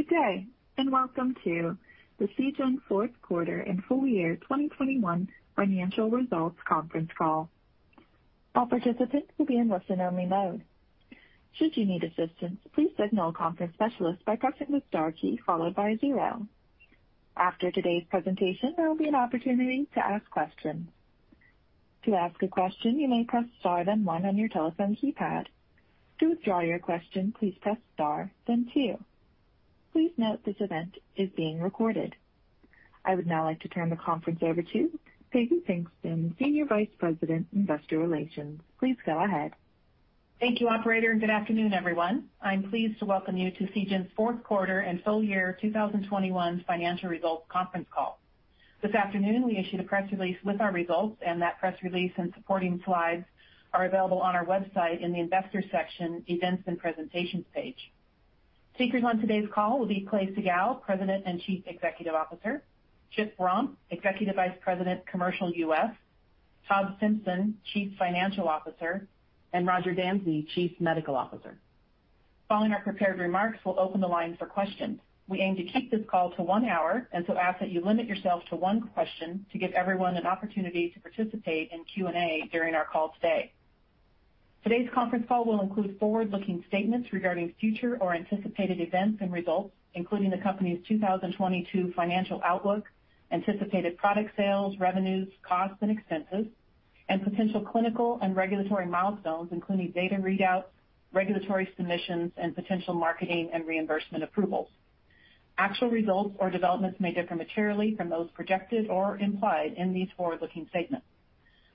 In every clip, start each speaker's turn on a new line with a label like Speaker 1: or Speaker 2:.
Speaker 1: Good day, and welcome to the Seagen fourth quarter and full year 2021 financial results conference call. All participants will be in listen-only mode. Should you need assistance, please signal a conference specialist by pressing the star key followed by zero. After today's presentation, there will be an opportunity to ask questions. To ask a question, you may press star then one on your telephone keypad. To withdraw your question, please press star then two. Please note this event is being recorded. I would now like to turn the conference over to Peggy Pinkston, Senior Vice President, Investor Relations. Please go ahead.
Speaker 2: Thank you, operator, and good afternoon, everyone. I'm pleased to welcome you to Seagen's fourth quarter and full year 2021 financial results conference call. This afternoon, we issued a press release with our results, and that press release and supporting slides are available on our website in the Investors section Events and Presentations page. Speakers on today's call will be Clay Siegall, President and Chief Executive Officer, Chip Romp, Executive Vice President, Commercial U.S., Todd Simpson, Chief Financial Officer, and Roger Dansey, Chief Medical Officer. Following our prepared remarks, we'll open the line for questions. We aim to keep this call to one hour and so ask that you limit yourself to one question to give everyone an opportunity to participate in Q&A during our call today. Today's conference call will include forward-looking statements regarding future or anticipated events and results, including the company's 2022 financial outlook, anticipated product sales, revenues, costs, and expenses, and potential clinical and regulatory milestones, including data readouts, regulatory submissions, and potential marketing and reimbursement approvals. Actual results or developments may differ materially from those projected or implied in these forward-looking statements.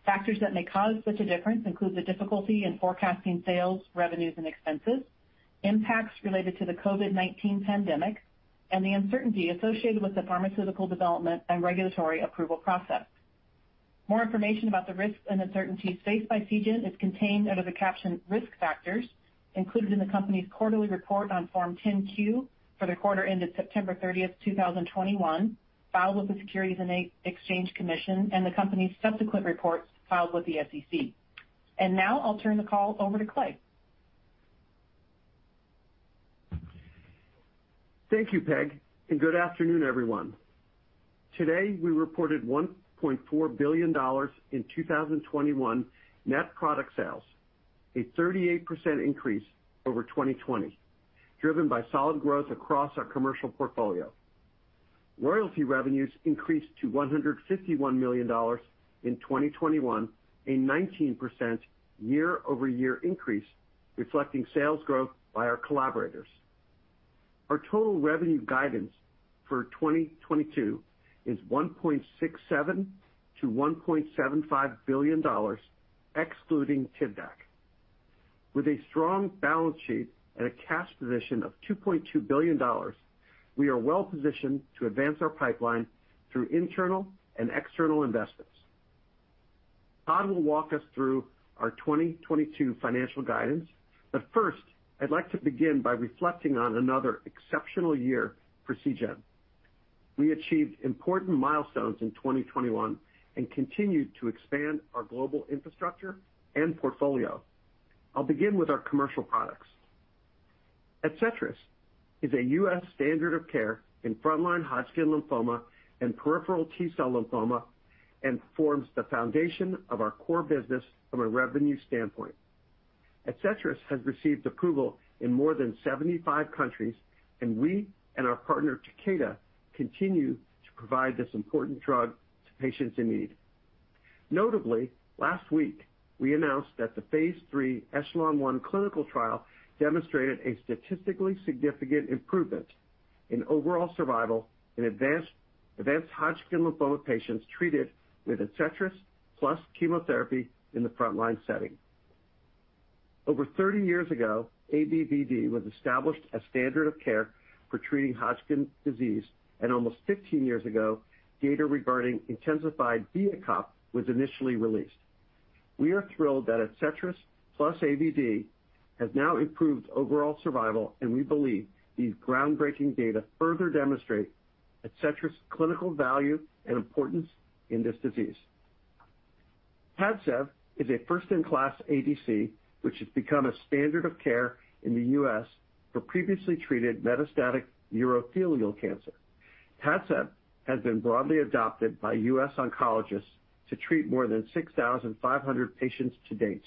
Speaker 2: Factors that may cause such a difference include the difficulty in forecasting sales, revenues, and expenses, impacts related to the COVID-19 pandemic, and the uncertainty associated with the pharmaceutical development and regulatory approval process. More information about the risks and uncertainties faced by Seagen is contained under the caption Risk Factors included in the company's quarterly report on Form 10-Q for the quarter ended September 30, 2021, filed with the Securities and Exchange Commission and the company's subsequent reports filed with the SEC. Now I'll turn the call over to Clay.
Speaker 3: Thank you, Peg, and good afternoon, everyone. Today, we reported $1.4 billion in 2021 net product sales, a 38% increase over 2020, driven by solid growth across our commercial portfolio. Royalty revenues increased to $151 million in 2021, a 19% year-over-year increase reflecting sales growth by our collaborators. Our total revenue guidance for 2022 is $1.67 billion-$1.75 billion excluding Tivdak. With a strong balance sheet and a cash position of $2.2 billion, we are well-positioned to advance our pipeline through internal and external investments. Todd will walk us through our 2022 financial guidance. First, I'd like to begin by reflecting on another exceptional year for Seagen. We achieved important milestones in 2021 and continued to expand our global infrastructure and portfolio. I'll begin with our commercial products. ADCETRIS is a U.S. standard of care in frontline Hodgkin lymphoma and peripheral T-cell lymphoma and forms the foundation of our core business from a revenue standpoint. ADCETRIS has received approval in more than 75 countries, and we and our partner, Takeda, continue to provide this important drug to patients in need. Notably, last week, we announced that the phase III ECHELON-1 clinical trial demonstrated a statistically significant improvement in overall survival in advanced Hodgkin lymphoma patients treated with ADCETRIS plus chemotherapy in the frontline setting. Over 30 years ago, ABVD was established as standard of care for treating Hodgkin disease, and almost 15 years ago, data regarding intensified BEACOPP was initially released. We are thrilled that ADCETRIS plus AVD has now improved overall survival, and we believe these groundbreaking data further demonstrate ADCETRIS' clinical value and importance in this disease. Padcev is a first-in-class ADC, which has become a standard of care in the U.S. for previously treated metastatic urothelial cancer. Padcev has been broadly adopted by U.S. oncologists to treat more than 6,500 patients to date.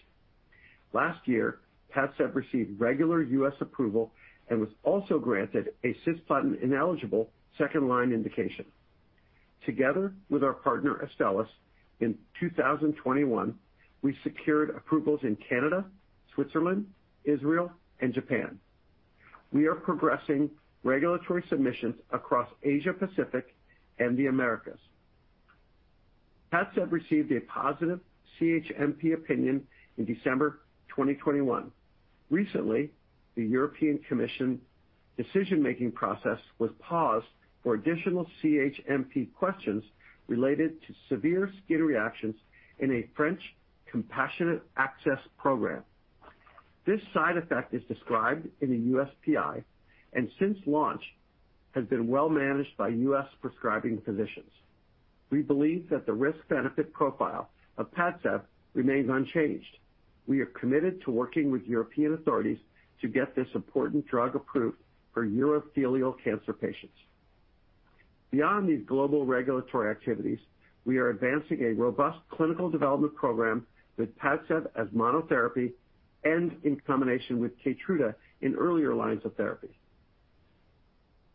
Speaker 3: Last year, Padcev received regular U.S. approval and was also granted a cisplatin-ineligible second-line indication. Together with our partner Astellas, in 2021, we secured approvals in Canada, Switzerland, Israel, and Japan. We are progressing regulatory submissions across Asia-Pacific and the Americas. Padcev received a positive CHMP opinion in December 2021. Recently, the European Commission decision-making process was paused for additional CHMP questions related to severe skin reactions in a French compassionate access program. This side effect is described in the USPI, and since launch, has been well managed by U.S. prescribing physicians. We believe that the risk-benefit profile of Padcev remains unchanged. We are committed to working with European authorities to get this important drug approved for urothelial cancer patients. Beyond these global regulatory activities, we are advancing a robust clinical development program with Padcev as monotherapy and in combination with Keytruda in earlier lines of therapy.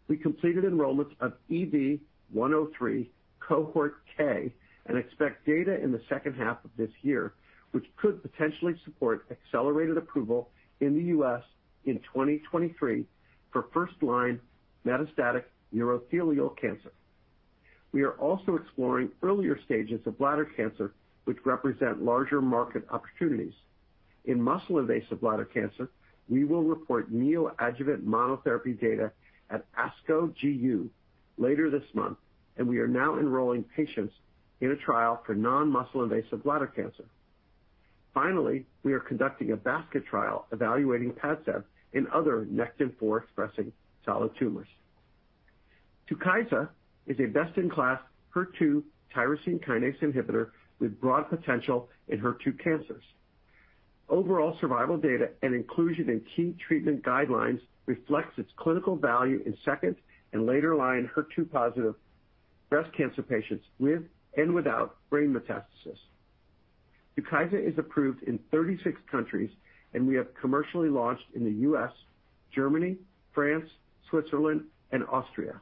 Speaker 3: We completed enrollments of EV-103 cohort K and expect data in the second half of this year, which could potentially support accelerated approval in the U.S. in 2023 for first-line metastatic urothelial cancer. We are also exploring earlier stages of bladder cancer, which represent larger market opportunities. In muscle-invasive bladder cancer, we will report neoadjuvant monotherapy data at ASCO GU later this month, and we are now enrolling patients in a trial for non-muscle invasive bladder cancer. Finally, we are conducting a basket trial evaluating Padcev in other Nectin-4 expressing solid tumors. TUKYSA is a best-in-class HER2 tyrosine kinase inhibitor with broad potential in HER2 cancers. Overall survival data and inclusion in key treatment guidelines reflects its clinical value in second- and later-line HER2-positive breast cancer patients with and without brain metastasis. TUKYSA is approved in 36 countries and we have commercially launched in the U.S., Germany, France, Switzerland, and Austria.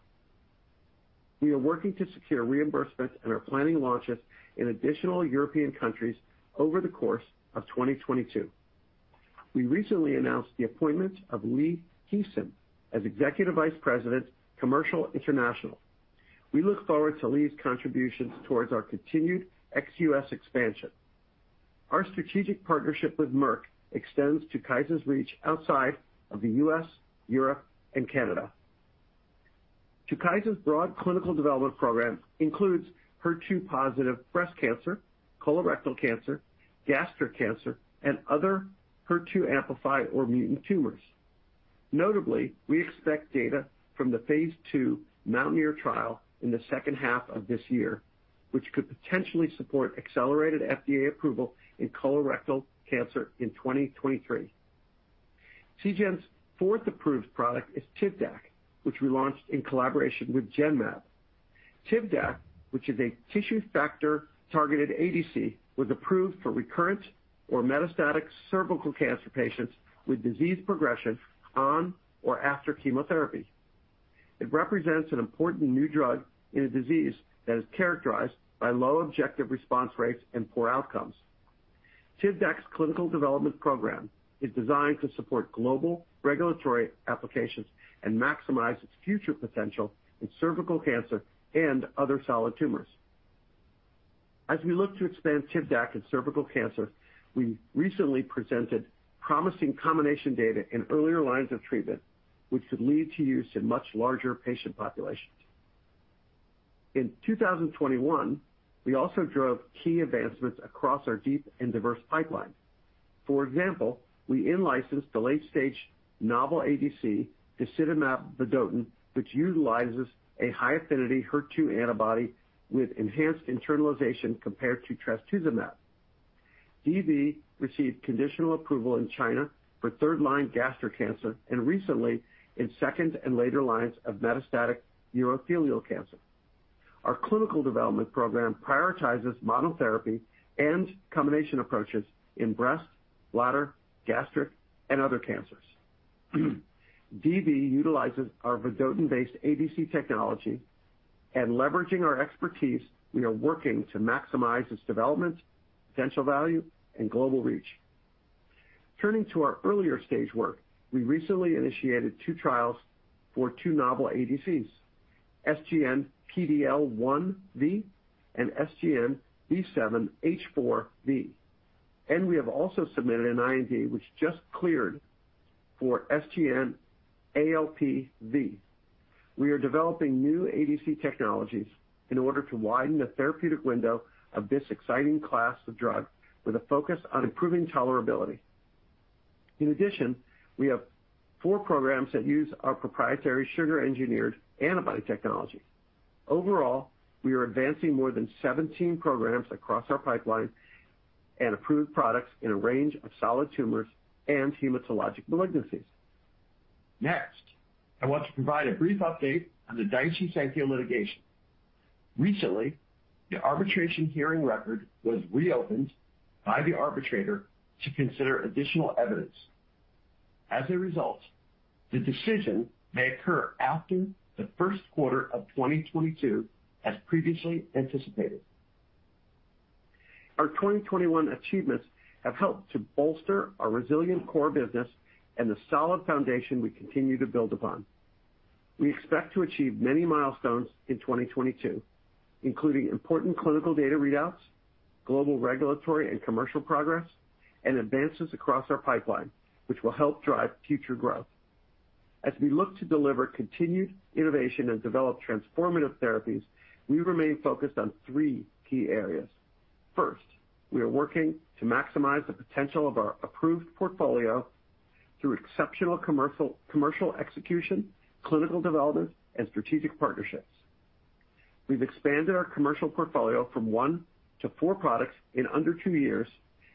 Speaker 3: We are working to secure reimbursement and are planning launches in additional European countries over the course of 2022. We recently announced the appointment of Lee Heeson as Executive Vice President, Commercial International. We look forward to Lee's contributions towards our continued ex-U.S. expansion. Our strategic partnership with Merck extends TUKYSA's reach outside of the U.S., Europe, and Canada. TUKYSA's broad clinical development program includes HER2-positive breast cancer, colorectal cancer, gastric cancer, and other HER2 amplified or mutant tumors. Notably, we expect data from the phase II MOUNTAINEER trial in the second half of this year, which could potentially support accelerated FDA approval in colorectal cancer in 2023. Seagen's fourth approved product is Tivdak, which we launched in collaboration with Genmab. Tivdak, which is a tissue factor-targeted ADC, was approved for recurrent or metastatic cervical cancer patients with disease progression on or after chemotherapy. It represents an important new drug in a disease that is characterized by low objective response rates and poor outcomes. Tivdak's clinical development program is designed to support global regulatory applications and maximize its future potential in cervical cancer and other solid tumors. As we look to expand Tivdak in cervical cancer, we recently presented promising combination data in earlier lines of treatment, which could lead to use in much larger patient populations. In 2021, we also drove key advancements across our deep and diverse pipeline. For example, we in-licensed the late-stage novel ADC disitamab vedotin, which utilizes a high-affinity HER2 antibody with enhanced internalization compared to trastuzumab. DV received conditional approval in China for third-line gastric cancer and recently in second and later lines of metastatic urothelial cancer. Our clinical development program prioritizes monotherapy and combination approaches in breast, bladder, gastric, and other cancers. DV utilizes our vedotin-based ADC technology, and leveraging our expertise, we are working to maximize its development, potential value, and global reach. Turning to our earlier stage work, we recently initiated two trials for two novel ADCs, SGN-PDL1V and SGN-B7H4V. We have also submitted an IND, which just cleared for SGN-ALPV. We are developing new ADC technologies in order to widen the therapeutic window of this exciting class of drug with a focus on improving tolerability. In addition, we have four programs that use our proprietary sugar-engineered antibody technology. Overall, we are advancing more than 17 programs across our pipeline and approved products in a range of solid tumors and hematologic malignancies. Next, I want to provide a brief update on the Daiichi Sankyo litigation. Recently, the arbitration hearing record was reopened by the arbitrator to consider additional evidence. As a result, the decision may occur after the first quarter of 2022, as previously anticipated. Our 2021 achievements have helped to bolster our resilient core business and the solid foundation we continue to build upon. We expect to achieve many milestones in 2022, including important clinical data readouts, global regulatory and commercial progress, and advances across our pipeline, which will help drive future growth. As we look to deliver continued innovation and develop transformative therapies, we remain focused on three key areas. First, we are working to maximize the potential of our approved portfolio through exceptional commercial execution, clinical development and strategic partnerships. We've expanded our commercial portfolio from 1 to 4 products in under 2 years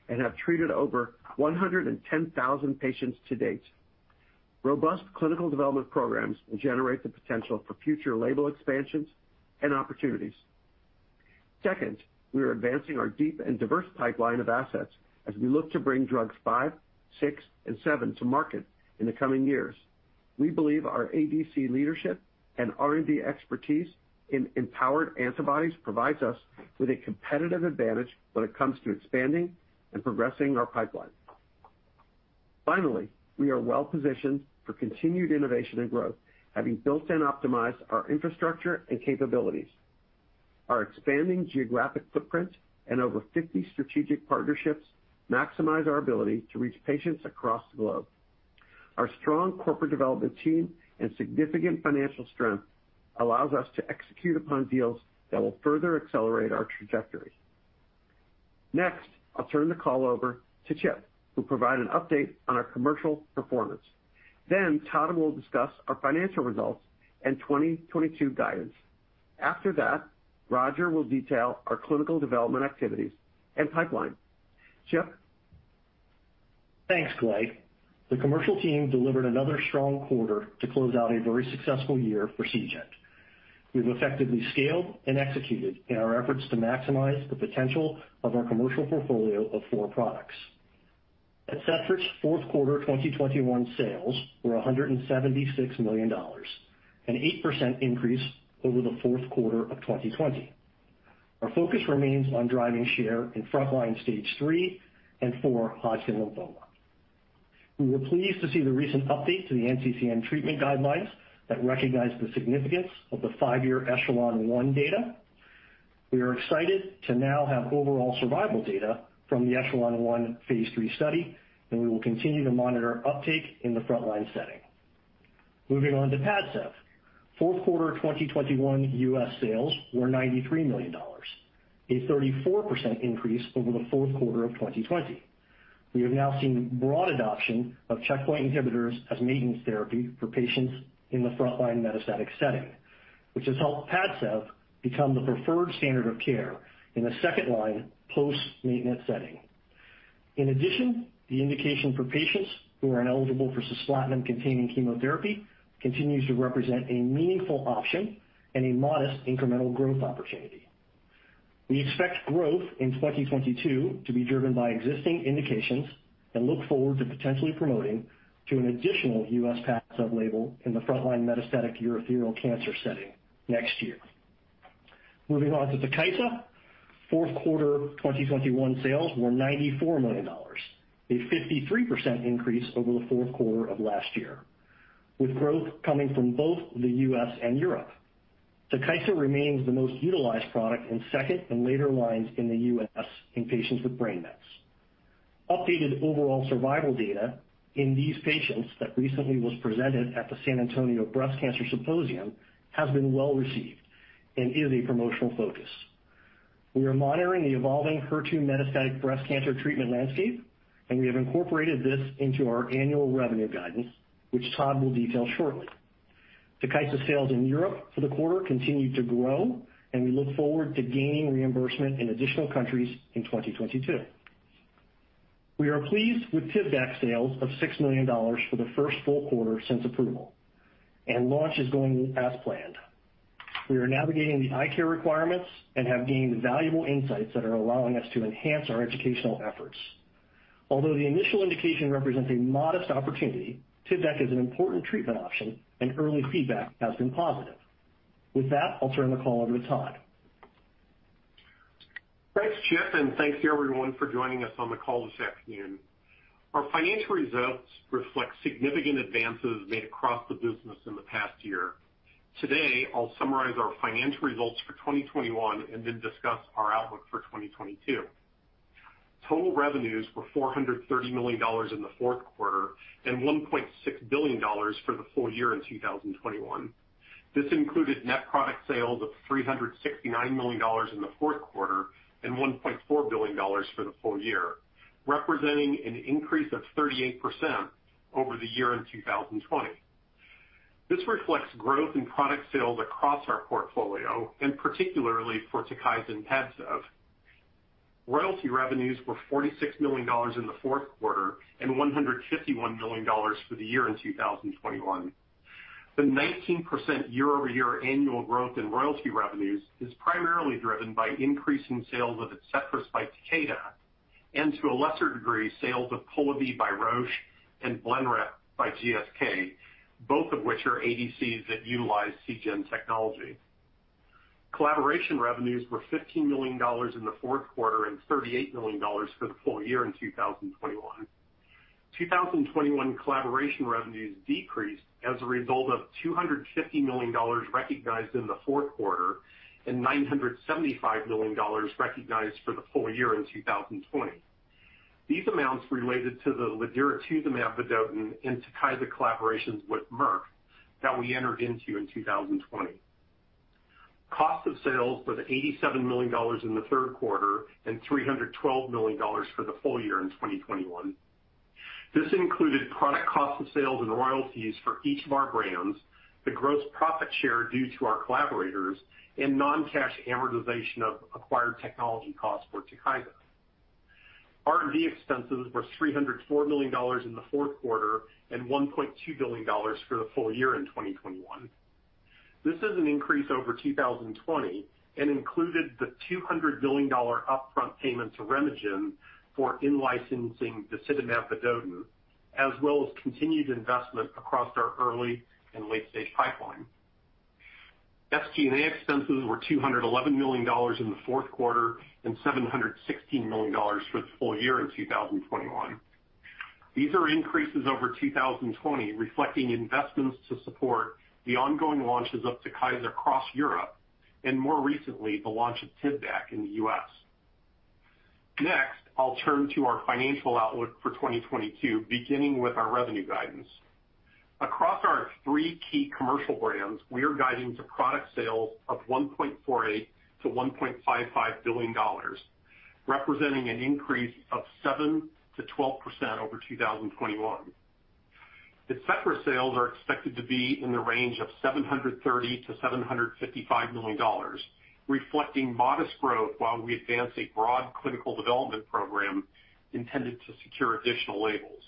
Speaker 3: and have treated over 110,000 patients to date. Robust clinical development programs will generate the potential for future label expansions and opportunities. Second, we are advancing our deep and diverse pipeline of assets as we look to bring drugs 5, 6 and 7 to market in the coming years. We believe our ADC leadership and R&D expertise in empowered antibodies provides us with a competitive advantage when it comes to expanding and progressing our pipeline. Finally, we are well-positioned for continued innovation and growth, having built and optimized our infrastructure and capabilities. Our expanding geographic footprint and over 50 strategic partnerships maximize our ability to reach patients across the globe. Our strong corporate development team and significant financial strength allows us to execute upon deals that will further accelerate our trajectory. Next, I'll turn the call over to Chip, who'll provide an update on our commercial performance. Then Todd will discuss our financial results and 2022 guidance. After that, Roger will detail our clinical development activities and pipeline. Chip?
Speaker 4: Thanks, Clay. The commercial team delivered another strong quarter to close out a very successful year for Seagen. We've effectively scaled and executed in our efforts to maximize the potential of our commercial portfolio of four products. ADCETRIS fourth quarter 2021 sales were $176 million, an 8% increase over the fourth quarter of 2020. Our focus remains on driving share in front line stage III and IV Hodgkin lymphoma. We were pleased to see the recent update to the NCCN treatment guidelines that recognize the significance of the 5-year ECHELON-1 data. We are excited to now have overall survival data from the ECHELON-1 phase III study, and we will continue to monitor uptake in the front line setting. Moving on to Padcev. Fourth quarter 2021 U.S. sales were $93 million, a 34% increase over the fourth quarter of 2020. We have now seen broad adoption of checkpoint inhibitors as maintenance therapy for patients in the front line metastatic setting, which has helped Padcev become the preferred standard of care in the second line post-maintenance setting. In addition, the indication for patients who are ineligible for cisplatin-containing chemotherapy continues to represent a meaningful option and a modest incremental growth opportunity. We expect growth in 2022 to be driven by existing indications and look forward to potentially promoting to an additional U.S. Padcev label in the front line metastatic urothelial cancer setting next year. Moving on to TUKYSA. Fourth quarter 2021 sales were $94 million, a 53% increase over the fourth quarter of last year, with growth coming from both the U.S. and Europe. TUKYSA remains the most utilized product in second and later lines in the U.S. in patients with brain mets. Updated overall survival data in these patients that recently was presented at the San Antonio Breast Cancer Symposium has been well-received and is a promotional focus. We are monitoring the evolving HER2 metastatic breast cancer treatment landscape, and we have incorporated this into our annual revenue guidance, which Todd will detail shortly. Tukysa sales in Europe for the quarter continued to grow, and we look forward to gaining reimbursement in additional countries in 2022. We are pleased with Tivdak sales of $6 million for the first full quarter since approval, and launch is going as planned. We are navigating the eye care requirements and have gained valuable insights that are allowing us to enhance our educational efforts. Although the initial indication represents a modest opportunity, Tivdak is an important treatment option and early feedback has been positive. With that, I'll turn the call over to Todd.
Speaker 5: Thanks, Chip, and thanks to everyone for joining us on the call this afternoon. Our financial results reflect significant advances made across the business in the past year. Today, I'll summarize our financial results for 2021 and then discuss our outlook for 2022. Total revenues were $430 million in the fourth quarter and $1.6 billion for the full year in 2021. This included net product sales of $369 million in the fourth quarter and $1.4 billion for the full year, representing an increase of 38% over the year in 2020. This reflects growth in product sales across our portfolio, and particularly for TUKYSA and Padcev. Royalty revenues were $46 million in the fourth quarter and $151 million for the year in 2021. The 19% year-over-year annual growth in royalty revenues is primarily driven by increasing sales of ADCETRIS by Takeda and, to a lesser degree, sales of Polivy by Roche and Blenrep by GSK, both of which are ADCs that utilize Seagen technology. Collaboration revenues were $15 million in the fourth quarter and $38 million for the full year in 2021. 2021 collaboration revenues decreased as a result of $250 million recognized in the fourth quarter and $975 million recognized for the full year in 2020. These amounts related to the ladiratuzumab vedotin and Tukysa collaborations with Merck that we entered into in 2020. Cost of sales was $87 million in the third quarter and $312 million for the full year in 2021. This included product cost of sales and royalties for each of our brands, the gross profit share due to our collaborators, and non-cash amortization of acquired technology costs for Tukysa. R&D expenses were $304 million in the fourth quarter and $1.2 billion for the full year in 2021. This is an increase over 2020 and included the $200 million upfront payment to RemeGen for in-licensing disitamab vedotin, as well as continued investment across our early and late-stage pipeline. SG&A expenses were $211 million in the fourth quarter and $716 million for the full year in 2021. These are increases over 2020, reflecting investments to support the ongoing launches of TUKYSA across Europe and more recently, the launch of Tivdak in the U.S. Next, I'll turn to our financial outlook for 2022, beginning with our revenue guidance. Across our three key commercial brands, we are guiding to product sales of $1.48 billion-$1.55 billion, representing an increase of 7%-12% over 2021. ADCETRIS sales are expected to be in the range of $730 million-$755 million, reflecting modest growth while we advance a broad clinical development program intended to secure additional labels.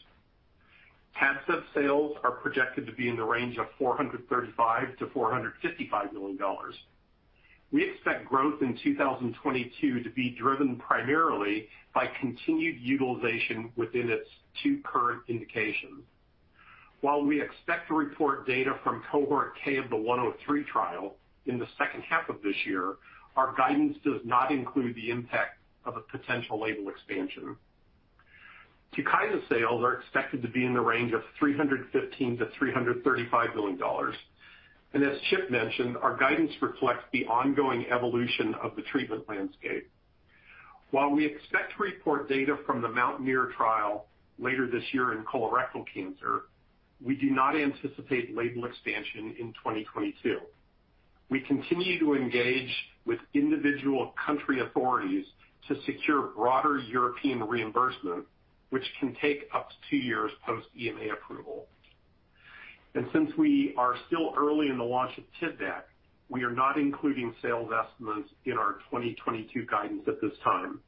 Speaker 5: Padcev sales are projected to be in the range of $435 million-$455 million. We expect growth in 2022 to be driven primarily by continued utilization within its two current indications. While we expect to report data from cohort K of the EV-103 trial in the second half of this year, our guidance does not include the impact of a potential label expansion. TUKYSA sales are expected to be in the range of $315 million-$335 million. As Chip mentioned, our guidance reflects the ongoing evolution of the treatment landscape. While we expect to report data from the MOUNTAINEER trial later this year in colorectal cancer, we do not anticipate label expansion in 2022. We continue to engage with individual country authorities to secure broader European reimbursement, which can take up to two years post EMA approval. Since we are still early in the launch of Tivdak, we are not including sales estimates in our 2022 guidance at this time.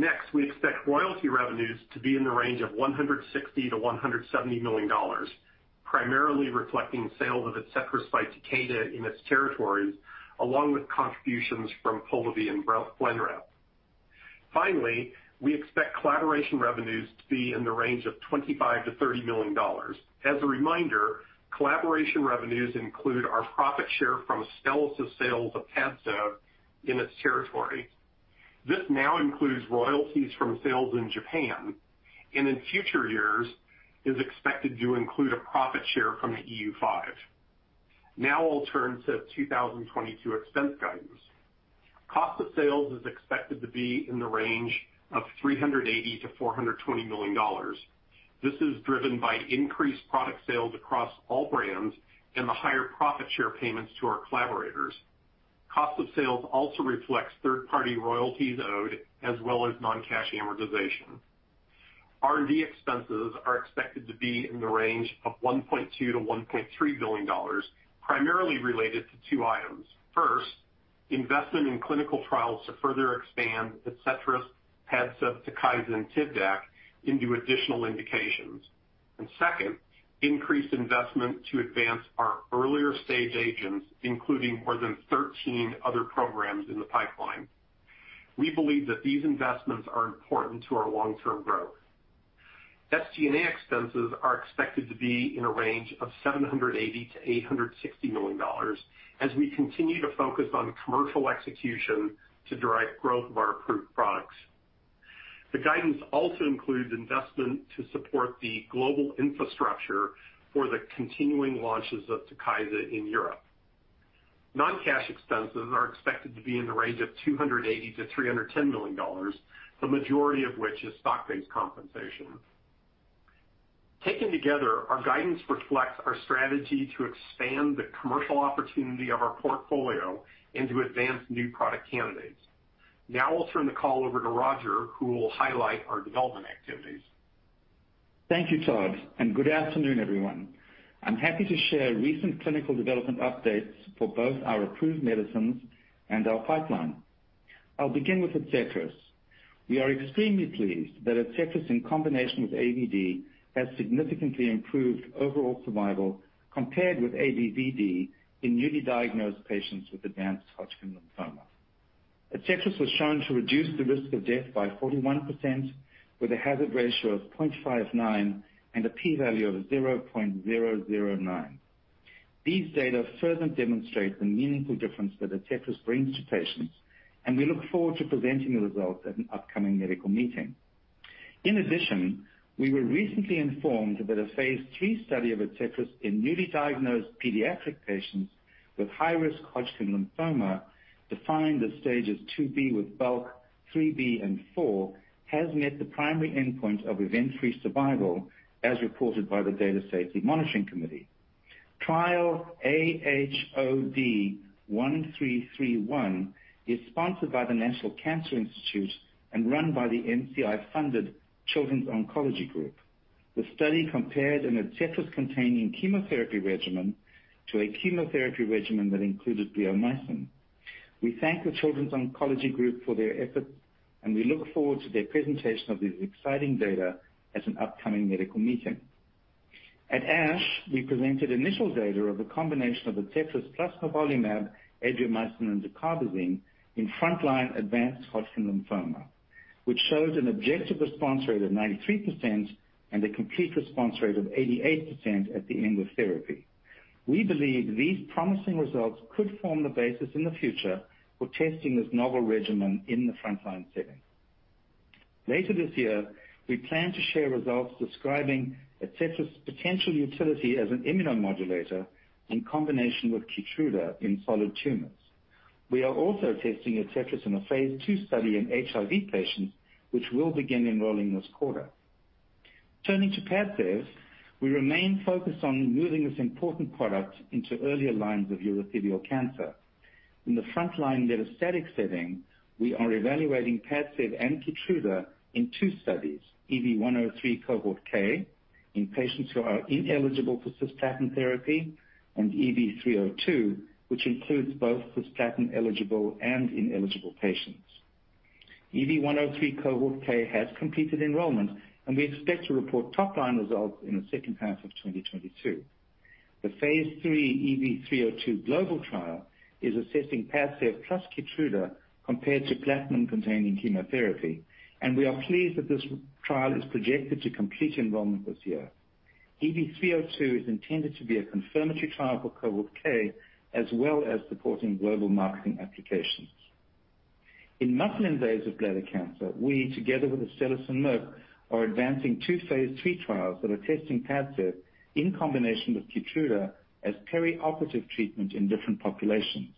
Speaker 5: Next, we expect royalty revenues to be in the range of $160 million-$170 million, primarily reflecting sales of ADCETRIS by Takeda in its territories, along with contributions from Polivy and Blenrep. Finally, we expect collaboration revenues to be in the range of $25 million-$30 million. As a reminder, collaboration revenues include our profit share from Astellas sales of Padcev in its territory. This now includes royalties from sales in Japan and in future years is expected to include a profit share from the EU Five. Now I'll turn to 2022 expense guidance. Cost of sales is expected to be in the range of $380 million-$420 million. This is driven by increased product sales across all brands and the higher profit share payments to our collaborators. Cost of sales also reflects third-party royalties owed, as well as non-cash amortization. R&D expenses are expected to be in the range of $1.2 billion-$1.3 billion, primarily related to two items. First, investment in clinical trials to further expand ADCETRIS, Padcev, TUKYSA, and Tivdak into additional indications. And second, increased investment to advance our earlier stage agents, including more than 13 other programs in the pipeline. We believe that these investments are important to our long-term growth. SG&A expenses are expected to be in a range of $780 million-$860 million as we continue to focus on commercial execution to drive growth of our approved products. The guidance also includes investment to support the global infrastructure for the continuing launches of TUKYSA in Europe. Non-cash expenses are expected to be in the range of $280 million-$310 million, the majority of which is stock-based compensation. Taken together, our guidance reflects our strategy to expand the commercial opportunity of our portfolio and to advance new product candidates. Now I'll turn the call over to Roger, who will highlight our development activities.
Speaker 6: Thank you, Todd, and good afternoon, everyone. I'm happy to share recent clinical development updates for both our approved medicines and our pipeline. I'll begin with ADCETRIS. We are extremely pleased that ADCETRIS, in combination with AVD, has significantly improved overall survival compared with ABVD in newly diagnosed patients with advanced Hodgkin lymphoma. ADCETRIS was shown to reduce the risk of death by 41% with a hazard ratio of 0.59 and a P value of 0.009. These data further demonstrate the meaningful difference that ADCETRIS brings to patients, and we look forward to presenting the results at an upcoming medical meeting. In addition, we were recently informed that a phase II study of ADCETRIS in newly diagnosed pediatric patients with high-risk Hodgkin lymphoma, defined as stages 2B with bulk, 3B, and 4, has met the primary endpoint of event-free survival as reported by the Data Safety Monitoring Committee. Trial AHOD1331 is sponsored by the National Cancer Institute and run by the NCI-funded Children's Oncology Group. The study compared an ADCETRIS-containing chemotherapy regimen to a chemotherapy regimen that included Bleomycin. We thank the Children's Oncology Group for their efforts, and we look forward to their presentation of this exciting data at an upcoming medical meeting. At ASH, we presented initial data of a combination of atezolizumab plus nivolumab, Adriamycin, and dacarbazine in frontline advanced Hodgkin lymphoma, which shows an objective response rate of 93% and a complete response rate of 88% at the end of therapy. We believe these promising results could form the basis in the future for testing this novel regimen in the frontline setting. Later this year, we plan to share results describing atezolizumab potential utility as an immunomodulator in combination with Keytruda in solid tumors. We are also testing atezolizumab in a phase II study in HIV patients, which will begin enrolling this quarter. Turning to Padcev, we remain focused on moving this important product into earlier lines of urothelial cancer. In the frontline metastatic setting, we are evaluating Padcev and Keytruda in two studies, EV-103 cohort K in patients who are ineligible for cisplatin therapy, and EV-302, which includes both cisplatin eligible and ineligible patients. EV-103 cohort K has completed enrollment, and we expect to report top line results in the second half of 2022. The phase III EV-302 global trial is assessing Padcev plus Keytruda compared to platinum-containing chemotherapy, and we are pleased that this trial is projected to complete enrollment this year. EV-302 is intended to be a confirmatory trial for cohort K, as well as supporting global marketing applications. In muscle-invasive bladder cancer, we together with Astellas and Merck are advancing two phase III trials that are testing Padcev in combination with Keytruda as perioperative treatment in different populations.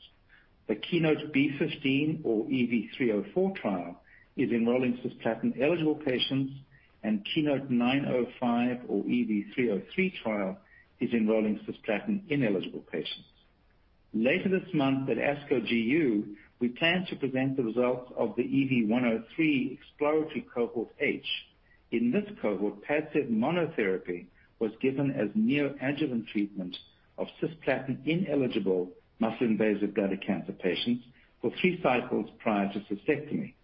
Speaker 6: The KEYNOTE-B15 or EV-304 trial is enrolling cisplatin-eligible patients and KEYNOTE-905 or EV-303 trial is enrolling cisplatin-ineligible patients. Later this month at ASCO GU, we plan to present the results of the EV-103 exploratory cohort H. In this cohort, Padcev monotherapy was given as neoadjuvant treatment of cisplatin-ineligible muscle-invasive bladder cancer patients for three cycles prior to cystectomy.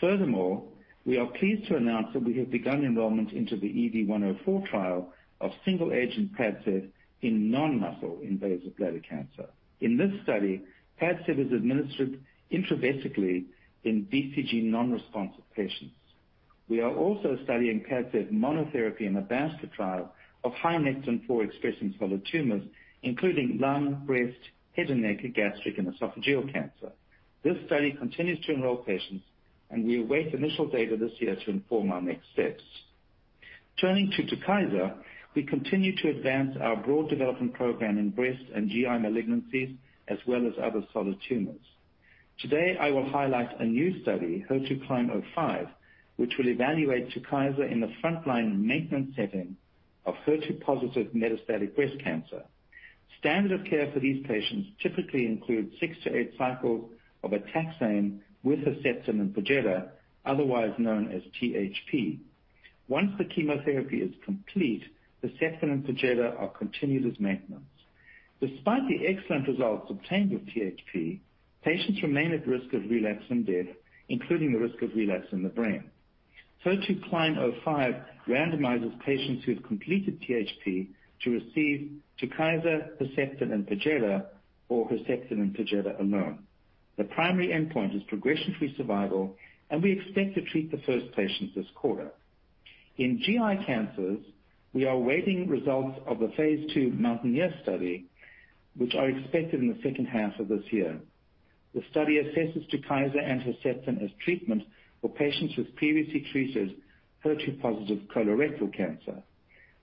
Speaker 6: Furthermore, we are pleased to announce that we have begun enrollment into the EV-104 trial of single agent Padcev in non-muscle-invasive bladder cancer. In this study, Padcev is administered intravesically in BCG non-responsive patients. We are also studying Padcev monotherapy in a basket trial of high Nectin-4-expressing solid tumors, including lung, breast, head and neck, gastric and esophageal cancer. This study continues to enroll patients and we await initial data this year to inform our next steps. Turning to TUKYSA, we continue to advance our broad development program in breast and GI malignancies, as well as other solid tumors. Today, I will highlight a new study, HER2CLIMB-05, which will evaluate TUKYSA in the frontline maintenance setting of HER2-positive metastatic breast cancer. Standard of care for these patients typically include 6-8 cycles of a taxane with Herceptin and Perjeta, otherwise known as THP. Once the chemotherapy is complete, Herceptin and Perjeta are continued as maintenance. Despite the excellent results obtained with THP, patients remain at risk of relapse and death, including the risk of relapse in the brain. HER2CLIMB-05 randomizes patients who have completed THP to receive TUKYSA, Herceptin, and Perjeta or Herceptin and Perjeta alone. The primary endpoint is progression-free survival, and we expect to treat the first patients this quarter. In GI cancers, we are awaiting results of the phase II MOUNTAINEER study, which are expected in the second half of this year. The study assesses TUKYSA and Herceptin as treatment for patients with previously treated HER2-positive colorectal cancer.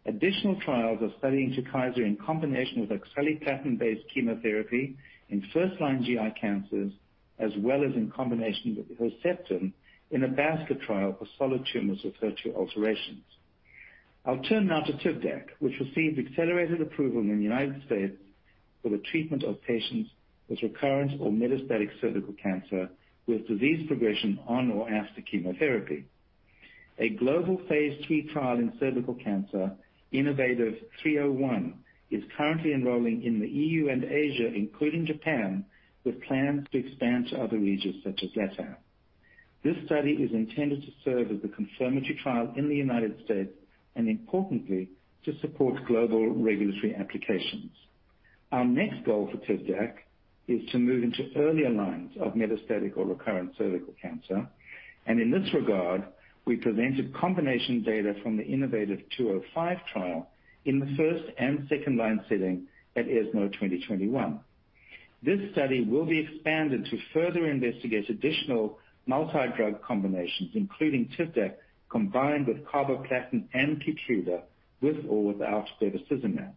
Speaker 6: Additional trials are studying TUKYSA in combination with oxaliplatin-based chemotherapy in first-line GI cancers, as well as in combination with Herceptin in a basket trial for solid tumors with HER2 alterations. I'll turn now to Tivdak, which received accelerated approval in the United States for the treatment of patients with recurrent or metastatic cervical cancer with disease progression on or after chemotherapy. A global phase III trial in cervical cancer, innovaTV 301, is currently enrolling in the EU and Asia, including Japan, with plans to expand to other regions such as LATAM. This study is intended to serve as the confirmatory trial in the United States and importantly, to support global regulatory applications. Our next goal for Tivdak is to move into earlier lines of metastatic or recurrent cervical cancer. In this regard, we presented combination data from the innovaTV 205 trial in the first- and second-line setting at ESMO 2021. This study will be expanded to further investigate additional multi-drug combinations, including Tivdak, combined with carboplatin and Keytruda, with or without bevacizumab.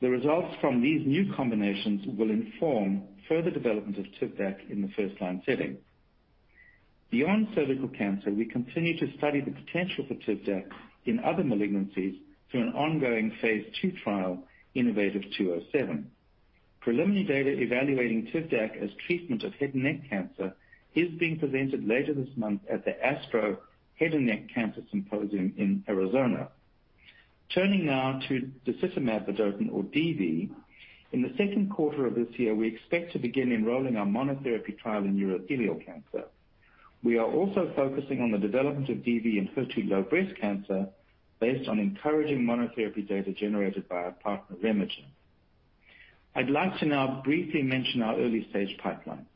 Speaker 6: The results from these new combinations will inform further development of Tivdak in the first-line setting. Beyond cervical cancer, we continue to study the potential for Tivdak in other malignancies through an ongoing phase II trial, innovaTV 207. Preliminary data evaluating Tivdak as treatment of head and neck cancer is being presented later this month at the ASTRO Multidisciplinary Head and Neck Cancers Symposium in Arizona. Turning now to disitamab vedotin or DV. In the second quarter of this year, we expect to begin enrolling our monotherapy trial in urothelial cancer. We are also focusing on the development of DV in HER2-low breast cancer based on encouraging monotherapy data generated by our partner, RemeGen. I'd like to now briefly mention our early-stage pipeline.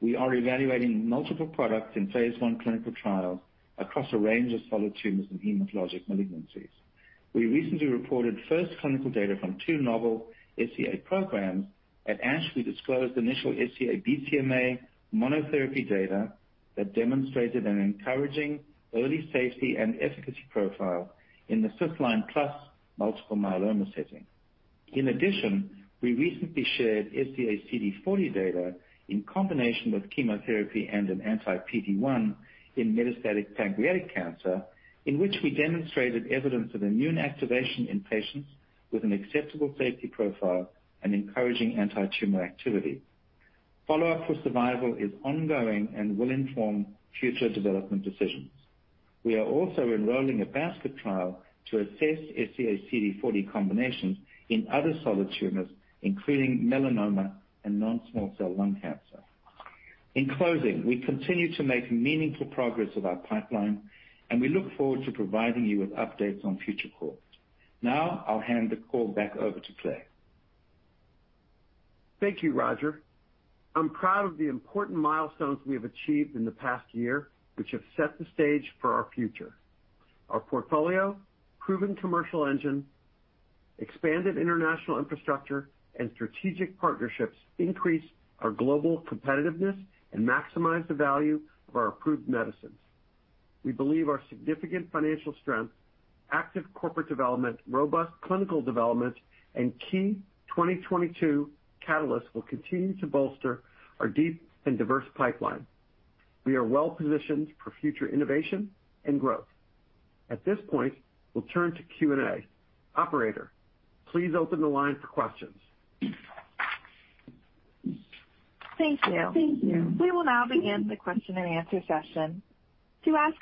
Speaker 6: We are evaluating multiple products in phase I clinical trials across a range of solid tumors and hematologic malignancies. We recently reported first clinical data from two novel SEA programs at ASH. We disclosed initial SEA-BCMA monotherapy data that demonstrated an encouraging early safety and efficacy profile in the fifth-line plus multiple myeloma setting. In addition, we recently shared SEA-CD40 data in combination with chemotherapy and an anti-PD-1 in metastatic pancreatic cancer, in which we demonstrated evidence of immune activation in patients with an acceptable safety profile and encouraging antitumor activity. Follow-up for survival is ongoing and will inform future development decisions. We are also enrolling a basket trial to assess SEA-CD40 combinations in other solid tumors, including melanoma and non-small cell lung cancer. In closing, we continue to make meaningful progress with our pipeline, and we look forward to providing you with updates on future calls. Now, I'll hand the call back over to Clay.
Speaker 3: Thank you, Roger. I'm proud of the important milestones we have achieved in the past year, which have set the stage for our future. Our portfolio, proven commercial engine, expanded international infrastructure, and strategic partnerships increase our global competitiveness and maximize the value of our approved medicines. We believe our significant financial strength, active corporate development, robust clinical development, and key 2022 catalysts will continue to bolster our deep and diverse pipeline. We are well-positioned for future innovation and growth. At this point, we'll turn to Q&A. Operator, please open the line for questions.
Speaker 1: Thank you. We will now begin the question and answer session. At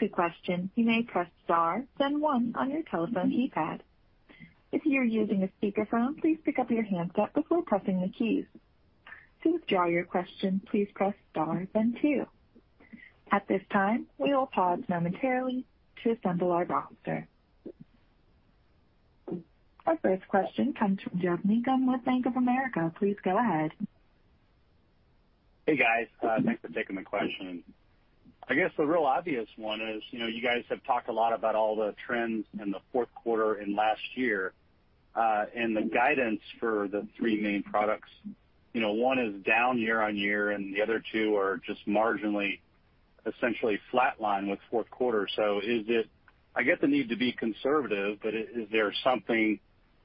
Speaker 1: this time, we will pause momentarily to assemble our officers. Our first question comes from Geoff Meacham with Bank of America. Please go ahead.
Speaker 7: Hey, guys. Thanks for taking the question. I guess the real obvious one is, you know, you guys have talked a lot about all the trends in the fourth quarter and last year, and the guidance for the three main products. You know, one is down year-over-year, and the other two are just marginally, essentially flatline with fourth quarter. So is it? I get the need to be conservative, but is there something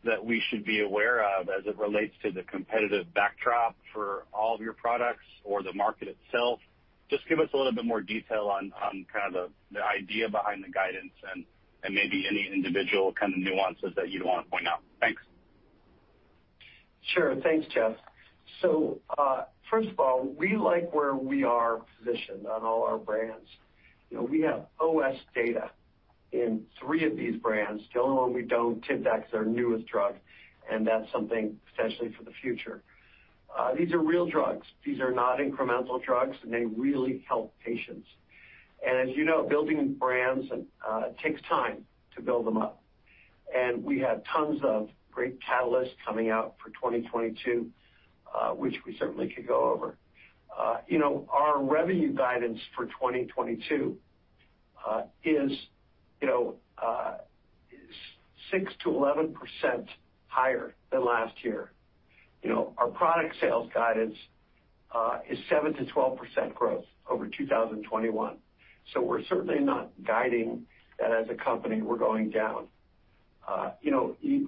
Speaker 7: that we should be aware of as it relates to the competitive backdrop for all of your products or the market itself? Just give us a little bit more detail on kind of the idea behind the guidance and maybe any individual kind of nuances that you'd want to point out. Thanks.
Speaker 3: Sure. Thanks, Jeff. First of all, we like where we are positioned on all our brands. You know, we have OS data in three of these brands. The only one we don't, Tivdak is our newest drug, and that's something potentially for the future. These are real drugs. These are not incremental drugs, and they really help patients. As you know, building brands takes time to build them up. We have tons of great catalysts coming out for 2022, which we certainly could go over. You know, our revenue guidance for 2022 is 6%-11% higher than last year. You know, our product sales guidance is 7%-12% growth over 2021. We're certainly not guiding that as a company, we're going down. You know, the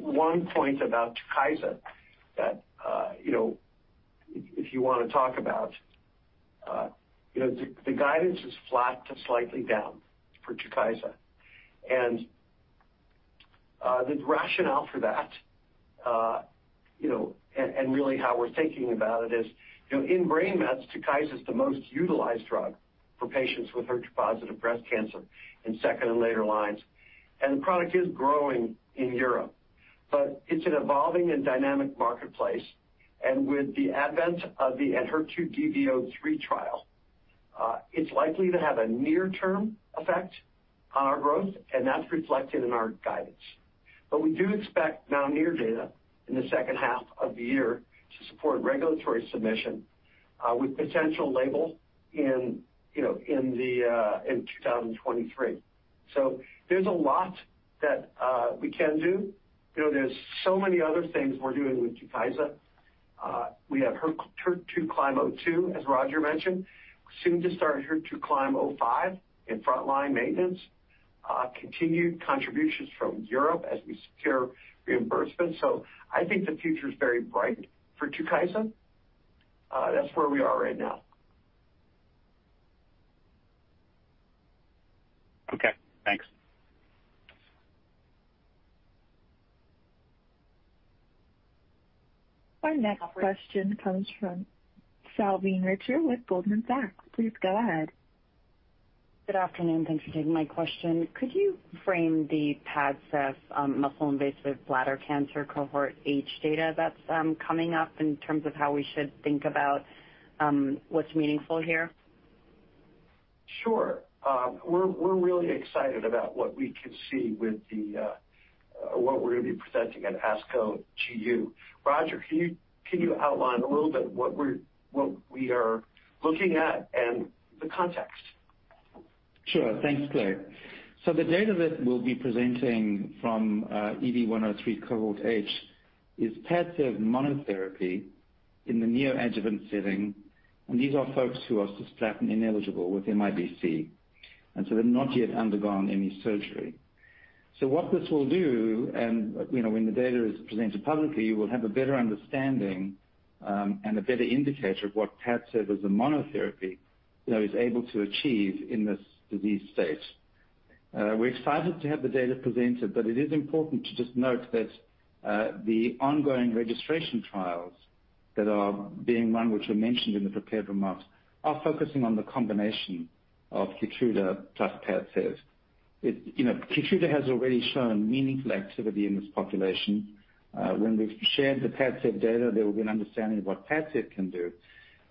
Speaker 3: one point about TUKYSA that, you know, if you wanna talk about, the guidance is flat to slightly down for TUKYSA. The rationale for that, you know, really how we're thinking about it is, you know, in brain mets, TUKYSA is the most utilized drug for patients with HER2-positive breast cancer in second and later lines. The product is growing in Europe, but it's an evolving and dynamic marketplace. With the advent of the ENHERTU DESTINY-Breast03 trial, it's likely to have a near-term effect on our growth, and that's reflected in our guidance. We do expect MOUNTAINEER data in the second half of the year to support regulatory submission, with potential label in 2023. There's a lot that we can do. You know, there's so many other things we're doing with TUKYSA. We have HER2CLIMB-02, as Roger mentioned. We seem to start HER2CLIMB-05 in frontline maintenance. Continued contributions from Europe as we secure reimbursement. I think the future is very bright for TUKYSA. That's where we are right now.
Speaker 8: Okay, thanks.
Speaker 1: Our next question comes from Salveen Richter with Goldman Sachs. Please go ahead.
Speaker 9: Good afternoon. Thanks for taking my question. Could you frame the Padcev, muscle-invasive bladder cancer cohort H data that's coming up in terms of how we should think about, what's meaningful here?
Speaker 3: Sure. We're really excited about what we're gonna be presenting at ASCO GU. Roger, can you outline a little bit what we are looking at and the context?
Speaker 6: Sure. Thanks, Clay. The data that we'll be presenting from EV-103 Cohort H is Padcev monotherapy in the neoadjuvant setting, and these are folks who are cisplatin-ineligible with MIBC, and they've not yet undergone any surgery. What this will do, you know, when the data is presented publicly, we'll have a better understanding, and a better indicator of what Padcev as a monotherapy, you know, is able to achieve in this disease state. We're excited to have the data presented, but it is important to just note that the ongoing registration trials that are being run, which were mentioned in the prepared remarks, are focusing on the combination of Keytruda plus Padcev. You know, Keytruda has already shown meaningful activity in this population. When we've shared the Padcev data, there will be an understanding of what Padcev can do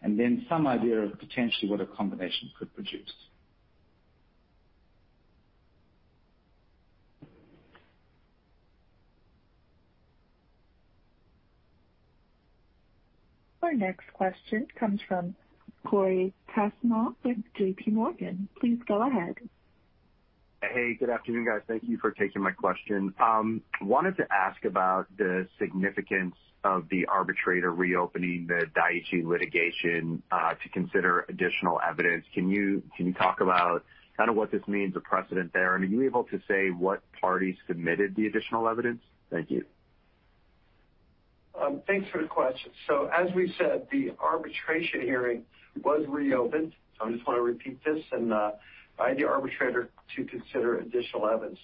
Speaker 6: and then some idea of potentially what a combination could produce.
Speaker 1: Our next question comes from Cory Kasimov with J.P. Morgan. Please go ahead.
Speaker 10: Hey, good afternoon, guys. Thank you for taking my question. Wanted to ask about the significance of the arbitrator reopening the Daiichi litigation to consider additional evidence. Can you talk about kinda what this means, a precedent there? I mean, are you able to say what parties submitted the additional evidence? Thank you.
Speaker 3: Thanks for the question. As we said, the arbitration hearing was reopened by the arbitrator to consider additional evidence.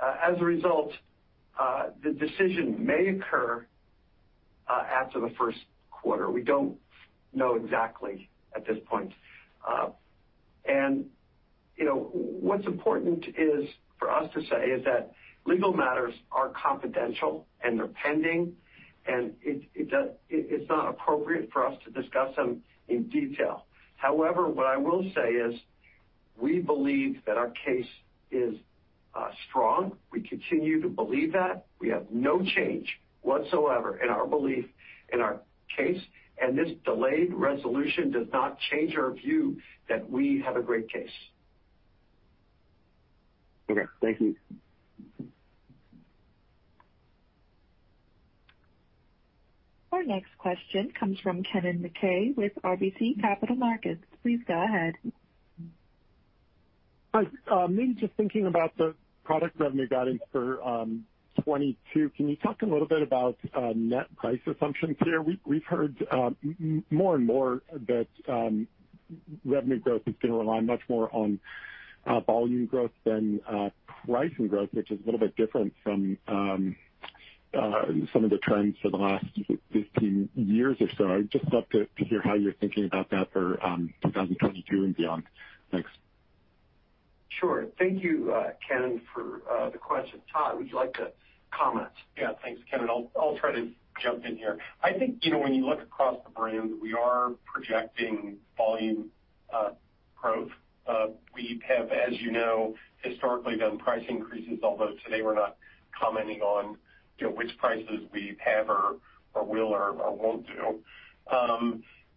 Speaker 3: As a result, the decision may occur after the first quarter. We don't know exactly at this point. You know, what's important is for us to say is that legal matters are confidential, and they're pending, and it's not appropriate for us to discuss them in detail. However, what I will say is we believe that our case is strong. We continue to believe that. We have no change whatsoever in our belief in our case, and this delayed resolution does not change our view that we have a great case.
Speaker 10: Okay. Thank you.
Speaker 1: Our next question comes from Kennen MacKay with RBC Capital Markets. Please go ahead.
Speaker 11: Hi. I'm just thinking about the product revenue guidance for 2022. Can you talk a little bit about net price assumptions here? We've heard more and more that revenue growth is gonna rely much more on volume growth than pricing growth, which is a little bit different from some of the trends for the last 15 years or so. I'd just love to hear how you're thinking about that for 2022 and beyond. Thanks.
Speaker 3: Sure. Thank you, Kennen, for the question. Todd, would you like to comment?
Speaker 5: Thanks, Kennen. I'll try to jump in here. I think, you know, when you look across the brands, we are projecting volume growth. We have, as you know, historically done price increases, although today we're not commenting on, you know, which prices we have or will or won't do.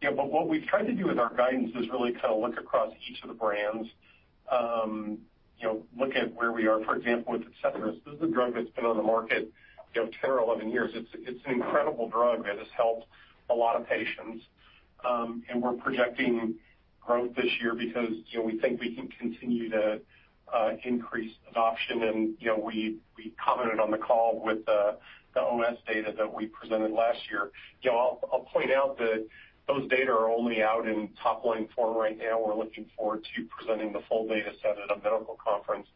Speaker 5: You know, what we've tried to do with our guidance is really kinda look across each of the brands, you know, look at where we are, for example, with ADCETRIS. This is a drug that's been on the market, you know, 10 or 11 years. It's an incredible drug that has helped a lot of patients. We're projecting growth this year because, you know, we think we can continue to increase adoption. You know, we commented on the call with the OS data that we presented last year. You know, I'll point out that those data are only out in top-line form right now. We're looking forward to presenting the full data set at a medical conference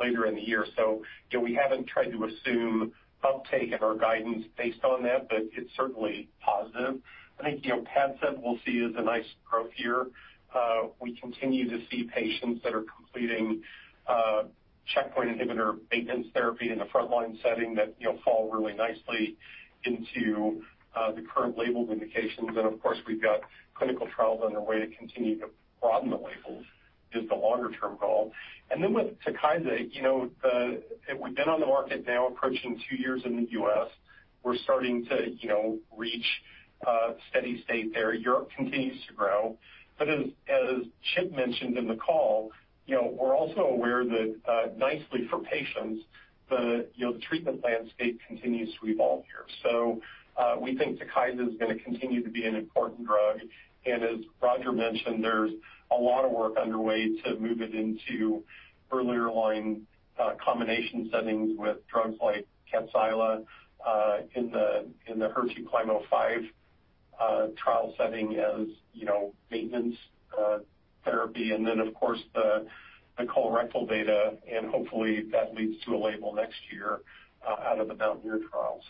Speaker 5: later in the year. You know, we haven't tried to assume uptake in our guidance based on that, but it's certainly positive. I think, you know, Padcev we'll see as a nice growth year. We continue to see patients that are completing checkpoint inhibitor maintenance therapy in the frontline setting that, you know, fall really nicely into the current labeled indications. Of course, we've got clinical trials on their way to continue to broaden the labels is the longer term goal. With TUKYSA, you know, we've been on the market now approaching two years in the U.S. We're starting to, you know, reach a steady state there. Europe continues to grow. As Chip mentioned in the call, you know, we're also aware that, nicely for patients, you know, the treatment landscape continues to evolve here. We think TUKYSA is gonna continue to be an important drug. As Roger mentioned, there's a lot of work underway to move it into earlier line, combination settings with drugs like Kadcyla, in the HER2CLIMB-05.
Speaker 3: Trial setting as you know, maintenance therapy. Of course, the colorectal data, and hopefully that leads to a label next year out of the MOUNTAINEER trial.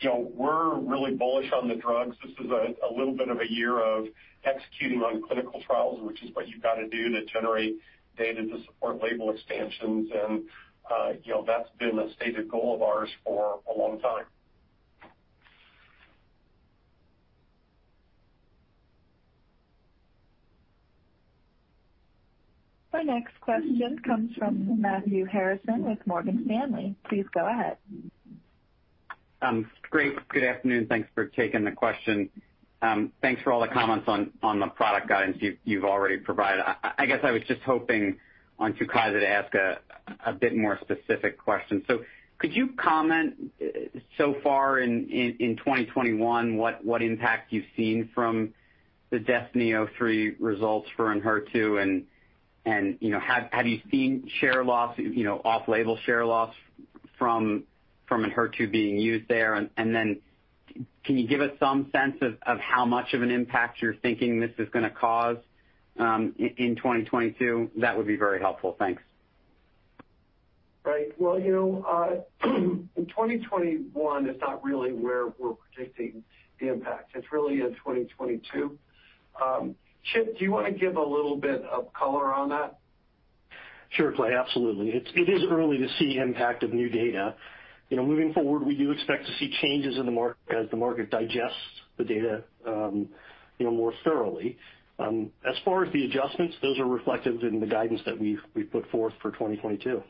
Speaker 3: You know, we're really bullish on the drugs. This is a little bit of a year of executing on clinical trials, which is what you've got to do to generate data to support label expansions. You know, that's been a stated goal of ours for a long time.
Speaker 1: The next question comes from Matthew Harrison with Morgan Stanley. Please go ahead.
Speaker 12: Great. Good afternoon. Thanks for taking the question. Thanks for all the comments on the product guidance you've already provided. I guess I was just hoping on TUKYSA to ask a bit more specific question. Could you comment so far in 2021, what impact you've seen from the DESTINY-Breast03 results for ENHERTU and, you know, have you seen share loss, you know, off-label share loss from ENHERTU being used there? Then can you give us some sense of how much of an impact you're thinking this is gonna cause in 2022? That would be very helpful. Thanks.
Speaker 3: Right. Well, you know, in 2021, it's not really where we're predicting the impact. It's really in 2022. Chip, do you wanna give a little bit of color on that?
Speaker 4: Sure, Clay, absolutely. It is early to see impact of new data. You know, moving forward, we do expect to see changes in the market as the market digests the data, you know, more thoroughly. As far as the adjustments, those are reflected in the guidance that we've put forth for 2022.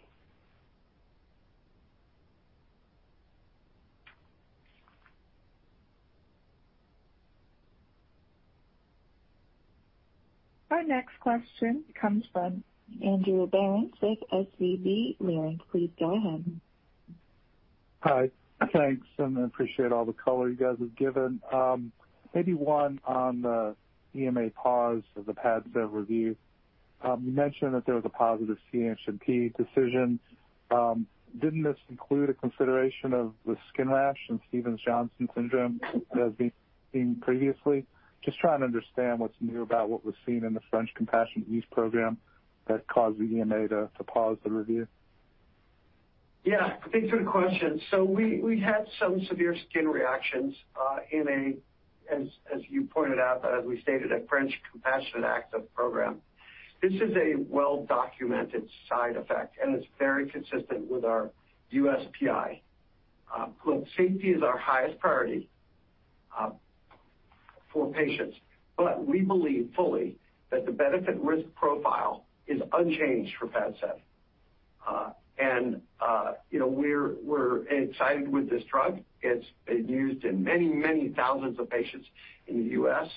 Speaker 1: Our next question comes from Andrew Berens with SVB Leerink. Please go ahead.
Speaker 13: Hi. Thanks, and I appreciate all the color you guys have given. Maybe one on the EMA pause of the Padcev review. You mentioned that there was a positive CHMP decision. Didn't this include a consideration of the skin rash and Stevens-Johnson syndrome that has been seen previously? Just trying to understand what's new about what was seen in the French Compassionate Use Program that caused the EMA to pause the review.
Speaker 3: Yeah. I think it's a good question. We had some severe skin reactions in a French Compassionate Access Program, as you pointed out, as we stated. This is a well-documented side effect, and it's very consistent with our USPI. Look, safety is our highest priority for patients, but we believe fully that the benefit risk profile is unchanged for Padcev. You know, we're excited with this drug. It's been used in many thousands of patients in the U.S.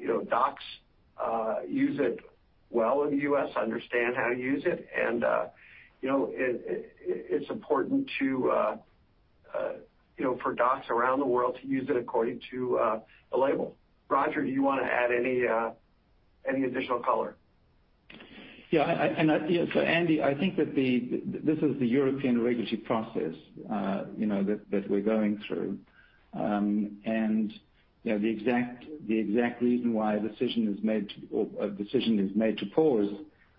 Speaker 3: You know, docs use it well in the U.S., understand how to use it. It's important, you know, for docs around the world to use it according to the label. Roger, do you wanna add any additional color?
Speaker 6: Andy, I think that this is the European regulatory process, you know, that we're going through. You know, the exact reason why a decision is made to pause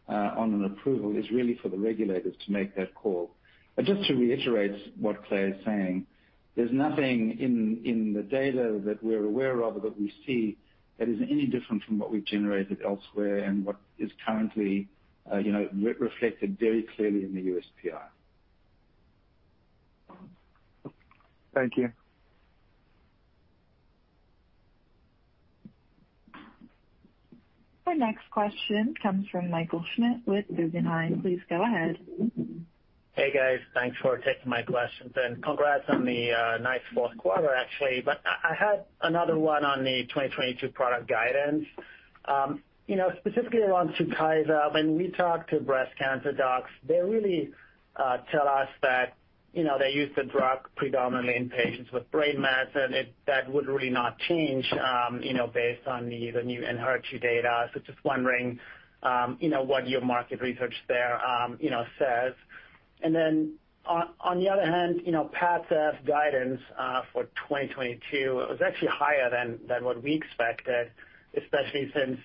Speaker 6: on an approval is really for the regulators to make that call. Just to reiterate what Clay is saying, there's nothing in the data that we're aware of that we see that is any different from what we've generated elsewhere and what is currently reflected very clearly in the USPI.
Speaker 13: Thank you.
Speaker 1: Our next question comes from Michael Schmidt with Guggenheim. Please go ahead.
Speaker 14: Hey, guys. Thanks for taking my questions, and congrats on the nice fourth quarter, actually. I had another one on the 2022 product guidance. You know, specifically around TUKYSA, when we talk to breast cancer docs, they really tell us that, you know, they use the drug predominantly in patients with BRAF mets, and that would really not change, you know, based on the new ENHERTU data. Just wondering, you know, what your market research there, you know, says. Then on the other hand, you know, Padcev guidance for 2022, it was actually higher than what we expected, especially since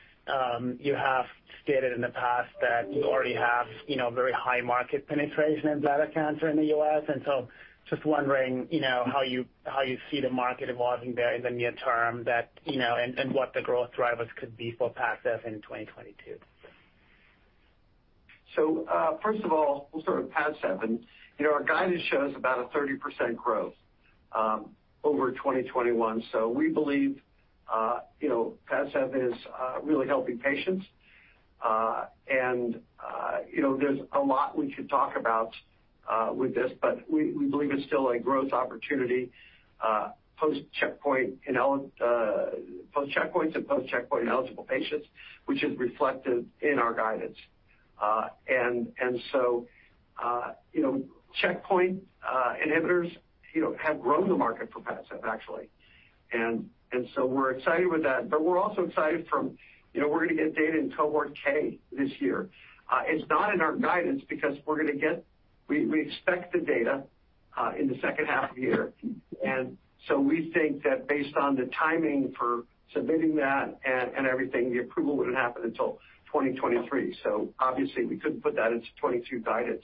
Speaker 14: you have stated in the past that you already have, you know, very high market penetration in bladder cancer in the U.S. Just wondering, you know, how you see the market evolving there in the near term that, you know, and what the growth drivers could be for Padcev in 2022.
Speaker 3: First of all, we'll start with Padcev. You know, our guidance shows about 30% growth over 2021. We believe, you know, Padcev is really helping patients. You know, there's a lot we could talk about with this, but we believe it's still a growth opportunity post-checkpoint ineligible patients, which is reflected in our guidance. You know, checkpoint inhibitors have grown the market for Padcev, actually. We're excited with that, but we're also excited, you know, we're gonna get data in cohort K this year. It's not in our guidance because we expect the data in the second half of the year. We think that based on the timing for submitting that and everything, the approval wouldn't happen until 2023. Obviously we couldn't put that into 2022 guidance.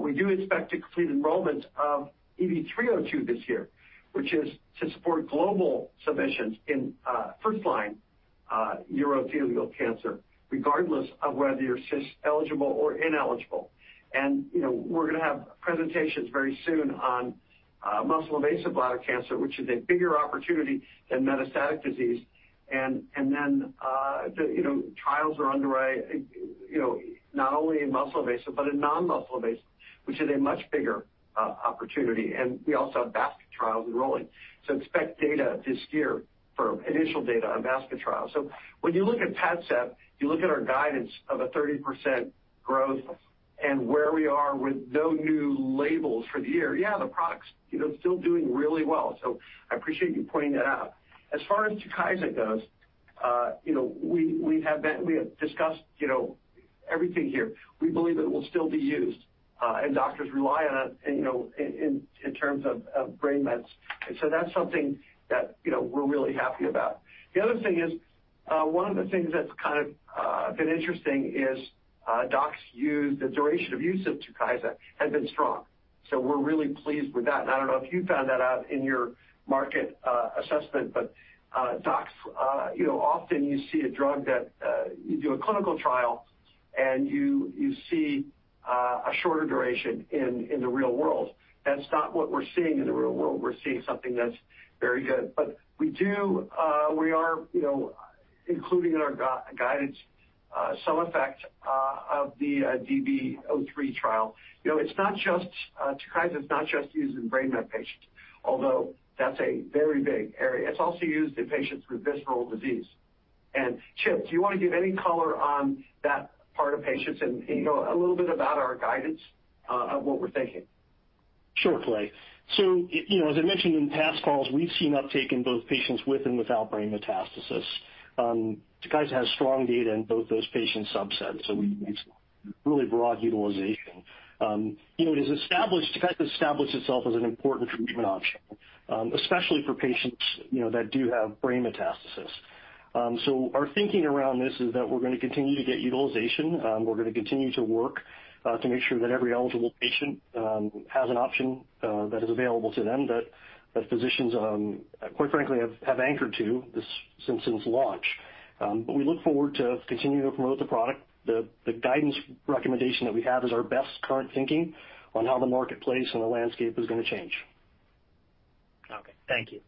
Speaker 3: We do expect to complete enrollment of EV-302 this year, which is to support global submissions in first line urothelial cancer, regardless of whether you're cisplatin eligible or ineligible. You know, we're gonna have presentations very soon on muscle-invasive bladder cancer, which is a bigger opportunity than metastatic disease. You know, trials are underway, you know, not only in muscle-invasive, but in non-muscle-invasive, which is a much bigger opportunity. We also have basket trials enrolling. Expect data this year for initial data on basket trials. When you look at Padcev, you look at our guidance of a 30% growth and where we are with no new labels for the year. Yeah, the product is, you know, still doing really well. I appreciate you pointing that out. As far as TUKYSA goes, you know, we have discussed, you know, everything here. We believe it will still be used, and doctors rely on, you know, in terms of brain mets. That's something that, you know, we're really happy about. The other thing is, one of the things that's kind of been interesting is, docs use. The duration of use of TUKYSA has been strong. We're really pleased with that. I don't know if you found that out in your market assessment, but docs you know often you see a drug that you do a clinical trial, and you see a shorter duration in the real world. That's not what we're seeing in the real world. We're seeing something that's very good. We are you know including in our guidance some effect of the DBO3 trial. You know it's not just TUKYSA is not just used in brain mets patients although that's a very big area. It's also used in patients with visceral disease. Chip do you wanna give any color on that part of patients and you know a little bit about our guidance of what we're thinking?
Speaker 4: Sure, Clay. You know, as I mentioned in past calls, we've seen uptake in both patients with and without brain metastasis. TUKYSA has strong data in both those patient subsets, it's really broad utilization. You know, TUKYSA established itself as an important treatment option, especially for patients, you know, that do have brain metastasis. Our thinking around this is that we're gonna continue to get utilization. We're gonna continue to work to make sure that every eligible patient has an option that is available to them that physicians, quite frankly, have anchored to this since its launch. We look forward to continuing to promote the product. The guidance recommendation that we have is our best current thinking on how the marketplace and the landscape is gonna change.
Speaker 3: Okay. Thank you.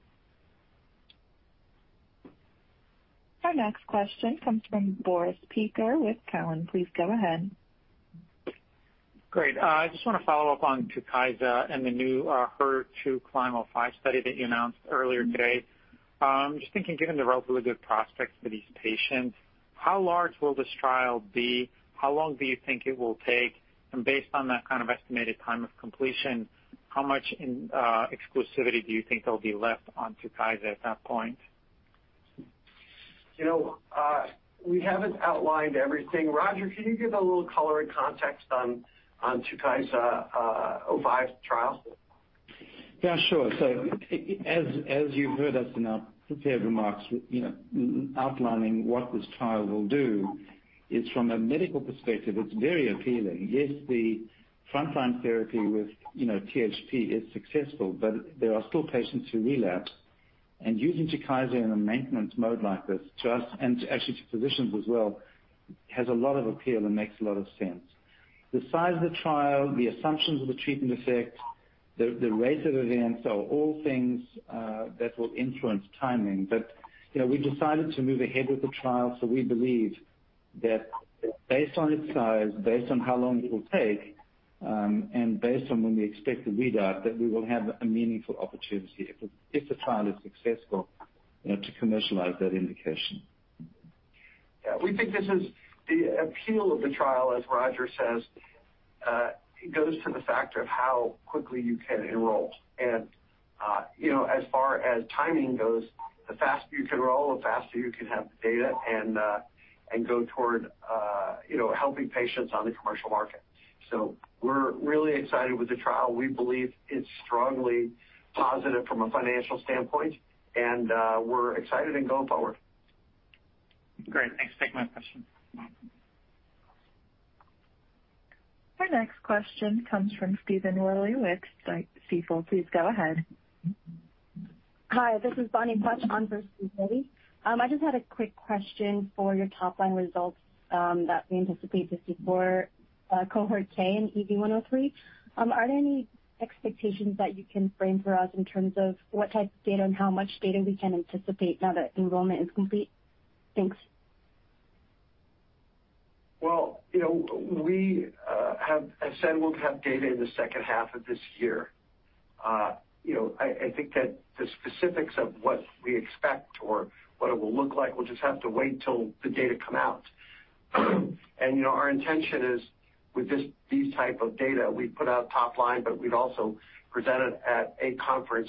Speaker 1: Our next question comes from Boris Peaker with Cowen. Please go ahead.
Speaker 15: Great. I just wanna follow up on TUKYSA and the new HER2CLIMB-05 study that you announced earlier today. Just thinking, given the relatively good prospects for these patients, how large will this trial be? How long do you think it will take? And based on that kind of estimated time of completion, how much exclusivity do you think there'll be left on TUKYSA at that point?
Speaker 3: You know, we haven't outlined everything. Roger, can you give a little color and context on TUKYSA 05 trial?
Speaker 6: Yeah, sure. As you heard us in our prepared remarks, you know, outlining what this trial will do is from a medical perspective, it's very appealing. Yes, the frontline therapy with, you know, THP is successful, but there are still patients who relapse. Using TUKYSA in a maintenance mode like this to us and actually to physicians as well, has a lot of appeal and makes a lot of sense. The size of the trial, the assumptions of the treatment effect, the rate of events are all things that will influence timing. you know, we decided to move ahead with the trial, so we believe that based on its size, based on how long it will take, and based on when we expect the readout, that we will have a meaningful opportunity if the trial is successful, you know, to commercialize that indication.
Speaker 3: Yeah. We think this is the appeal of the trial, as Roger says, it goes to the fact of how quickly you can enroll. You know, as far as timing goes, the faster you can enroll, the faster you can have the data and go toward you know, helping patients on the commercial market. We're really excited with the trial. We believe it's strongly positive from a financial standpoint, and we're excited and going forward.
Speaker 15: Great. Thanks. Take my question.
Speaker 1: Our next question comes from Stephen Willey with Stifel. Please go ahead.
Speaker 16: Hi, this is Bonnie Butch on for Stephen Willey. I just had a quick question for your top line results that we anticipate to see for cohort K in EV-103. Are there any expectations that you can frame for us in terms of what type of data and how much data we can anticipate now that enrollment is complete? Thanks.
Speaker 3: Well, you know, I said we'll have data in the second half of this year. You know, I think that the specifics of what we expect or what it will look like, we'll just have to wait till the data come out. You know, our intention is with these type of data, we put out top line, but we'd also present it at a conference,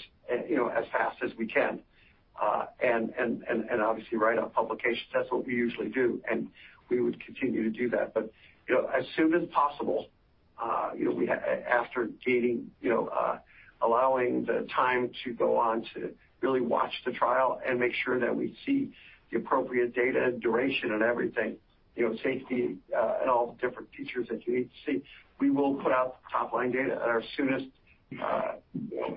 Speaker 3: you know, as fast as we can, and obviously write up publications. That's what we usually do, and we would continue to do that. You know, as soon as possible, you know, after gaining, you know, allowing the time to go on to really watch the trial and make sure that we see the appropriate data and duration and everything, you know, safety, and all the different features that you need to see, we will put out the top-line data at our soonest, you know,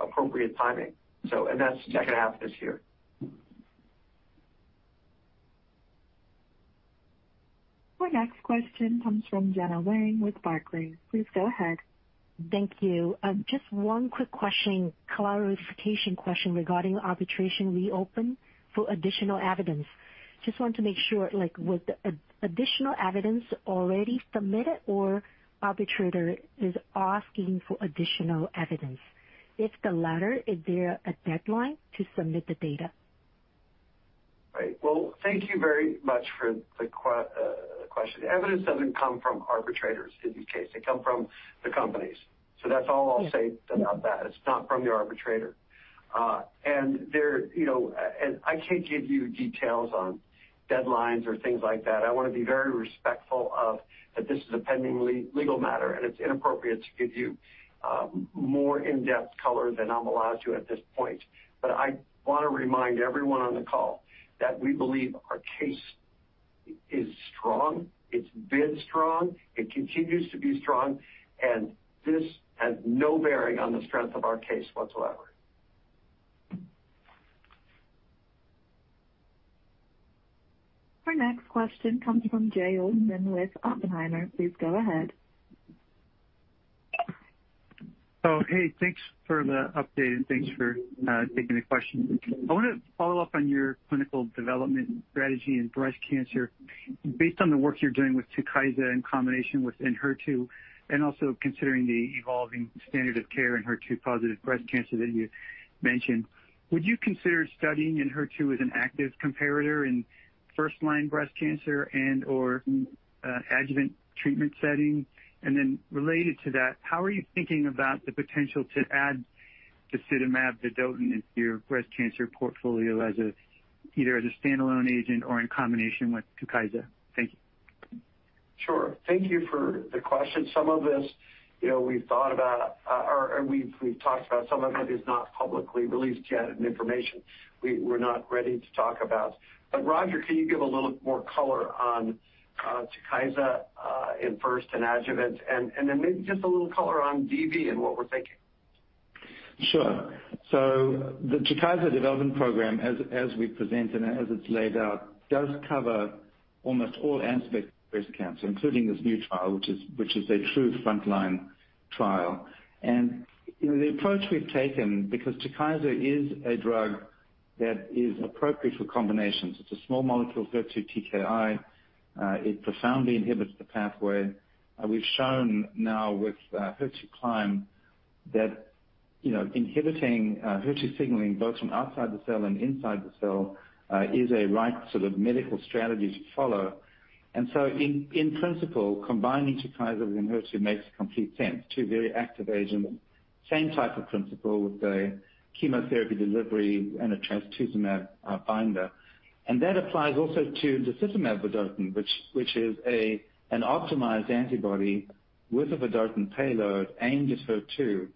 Speaker 3: appropriate timing. That's the second half of this year.
Speaker 1: Our next question comes from Gena Wang with Barclays. Please go ahead.
Speaker 17: Thank you. Just one quick question, clarification question regarding arbitration reopen for additional evidence. Just want to make sure, like, was the additional evidence already submitted or arbitrator is asking for additional evidence? If the latter, is there a deadline to submit the data?
Speaker 3: Right. Well, thank you very much for the question. Evidence doesn't come from arbitrators in these cases. They come from the companies. So that's all I'll say about that. It's not from the arbitrator. I can't give you details on deadlines or things like that. I wanna be very respectful of that this is a pending legal matter, and it's inappropriate to give you more in-depth color than I'm allowed to at this point. I wanna remind everyone on the call that we believe our case is strong. It's been strong, it continues to be strong, and this has no bearing on the strength of our case whatsoever.
Speaker 1: Our next question comes from Jay Olson with Oppenheimer. Please go ahead.
Speaker 18: Oh, hey, thanks for the update, and thanks for taking the question. I wanna follow up on your clinical development strategy in breast cancer. Based on the work you're doing with TUKYSA in combination with ENHERTU, and also considering the evolving standard of care in HER2-positive breast cancer that you mentioned, would you consider studying ENHERTU as an active comparator in first-line breast cancer and/or adjuvant treatment setting? Related to that, how are you thinking about the potential to add disitamab vedotin into your breast cancer portfolio as either a standalone agent or in combination with TUKYSA? Thank you.
Speaker 3: Sure. Thank you for the question. Some of this, we've thought about, or we've talked about. Some of it is not publicly released yet, and information we're not ready to talk about. Roger, can you give a little more color on TUKYSA in first and adjuvant, and then maybe just a little color on DV and what we're thinking?
Speaker 6: Sure. The TUKYSA development program, as we present and as it's laid out, does cover almost all aspects of breast cancer, including this new trial, which is a true frontline trial. You know, the approach we've taken, because TUKYSA is a drug that is appropriate for combinations, it's a small molecule HER2 TKI. It profoundly inhibits the pathway. We've shown now with HER2CLIMB that, you know, inhibiting HER2 signaling both from outside the cell and inside the cell is a right sort of medical strategy to follow. In principle, combining TUKYSA with ENHERTU makes complete sense. Two very active agents, same type of principle with a chemotherapy delivery and a trastuzumab binder. That applies also to disitamab vedotin, which is an optimized antibody with a vedotin payload aimed at HER2.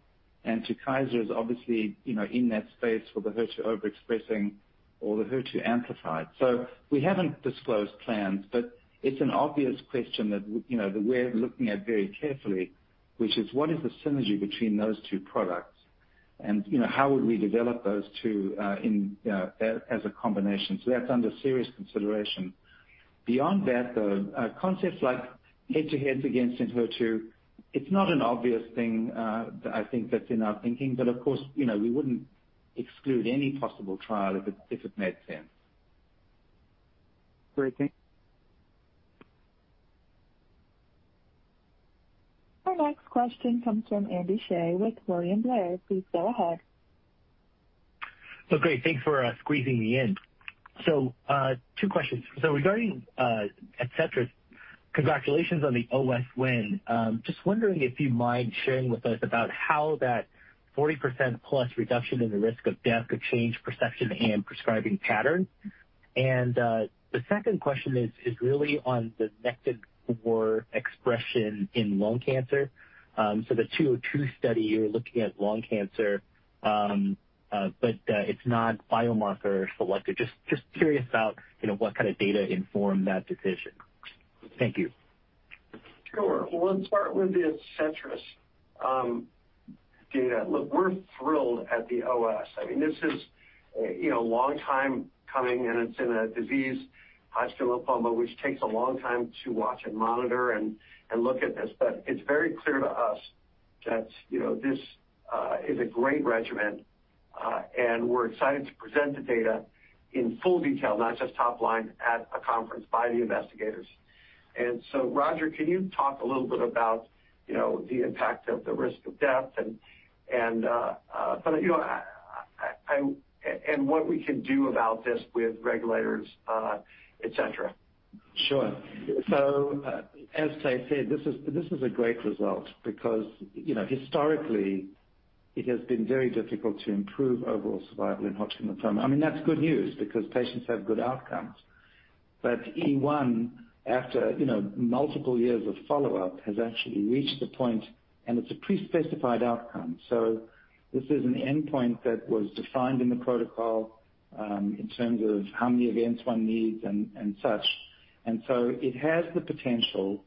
Speaker 6: TUKYSA is obviously, you know, in that space for the HER2 overexpressing or the HER2 amplified. We haven't disclosed plans, but it's an obvious question that, you know, we're looking at very carefully, which is what is the synergy between those two products. You know, how would we develop those two in as a combination. That's under serious consideration. Beyond that, concepts like head-to-heads against ENHERTU, it's not an obvious thing that I think is in our thinking. Of course, you know, we wouldn't exclude any possible trial if it made sense.
Speaker 18: Great. Thank you.
Speaker 1: Our next question comes from Andy Hsieh with William Blair. Please go ahead.
Speaker 19: Great. Thanks for squeezing me in. Two questions. Regarding ADCETRIS, congratulations on the OS win. Just wondering if you mind sharing with us about how that 40%+ reduction in the risk of death could change perception and prescribing patterns. The second question is really on the Nectin-4 expression in lung cancer. The 202 study, you're looking at lung cancer, but it's not biomarker selected. Just curious about, you know, what kind of data informed that decision. Thank you.
Speaker 3: Sure. Well, let's start with the ADCETRIS data. Look, we're thrilled at the OS. I mean, this is, you know, a long time coming, and it's in a disease, Hodgkin lymphoma, which takes a long time to watch and monitor and look at this. But it's very clear to us that, you know, this is a great regimen, and we're excited to present the data in full detail, not just top line, at a conference by the investigators. Roger, can you talk a little bit about, you know, the impact of the risk of death and what we can do about this with regulators, et cetera?
Speaker 6: Sure. As Clay said, this is a great result because, you know, historically it has been very difficult to improve overall survival in Hodgkin lymphoma. I mean, that's good news because patients have good outcomes. ECHELON-1 after, you know, multiple years of follow-up, has actually reached the point, and it's a pre-specified outcome. This is an endpoint that was defined in the protocol in terms of how many events one needs and such. It has the potential,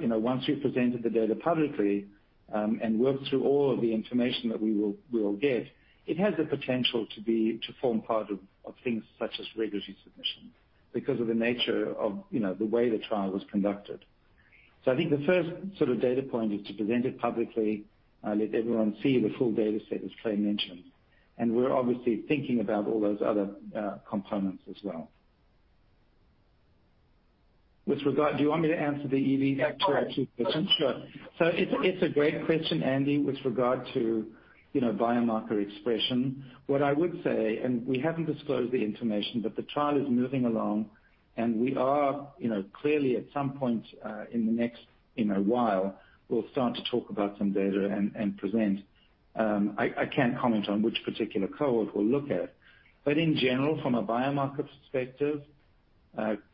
Speaker 6: you know, once we've presented the data publicly and worked through all of the information that we will get. It has the potential to form part of things such as regulatory submission because of the nature of, you know, the way the trial was conducted. I think the first sort of data point is to present it publicly, let everyone see the full data set, as Clay mentioned. We're obviously thinking about all those other components as well. Do you want me to answer the EV question?
Speaker 3: Yeah.
Speaker 6: Sure. It's a great question, Andy, with regard to, you know, biomarker expression. What I would say, and we haven't disclosed the information, but the trial is moving along and we are, you know, clearly at some point in the next, you know, while we'll start to talk about some data and present. I can't comment on which particular cohort we'll look at. But in general, from a biomarker perspective,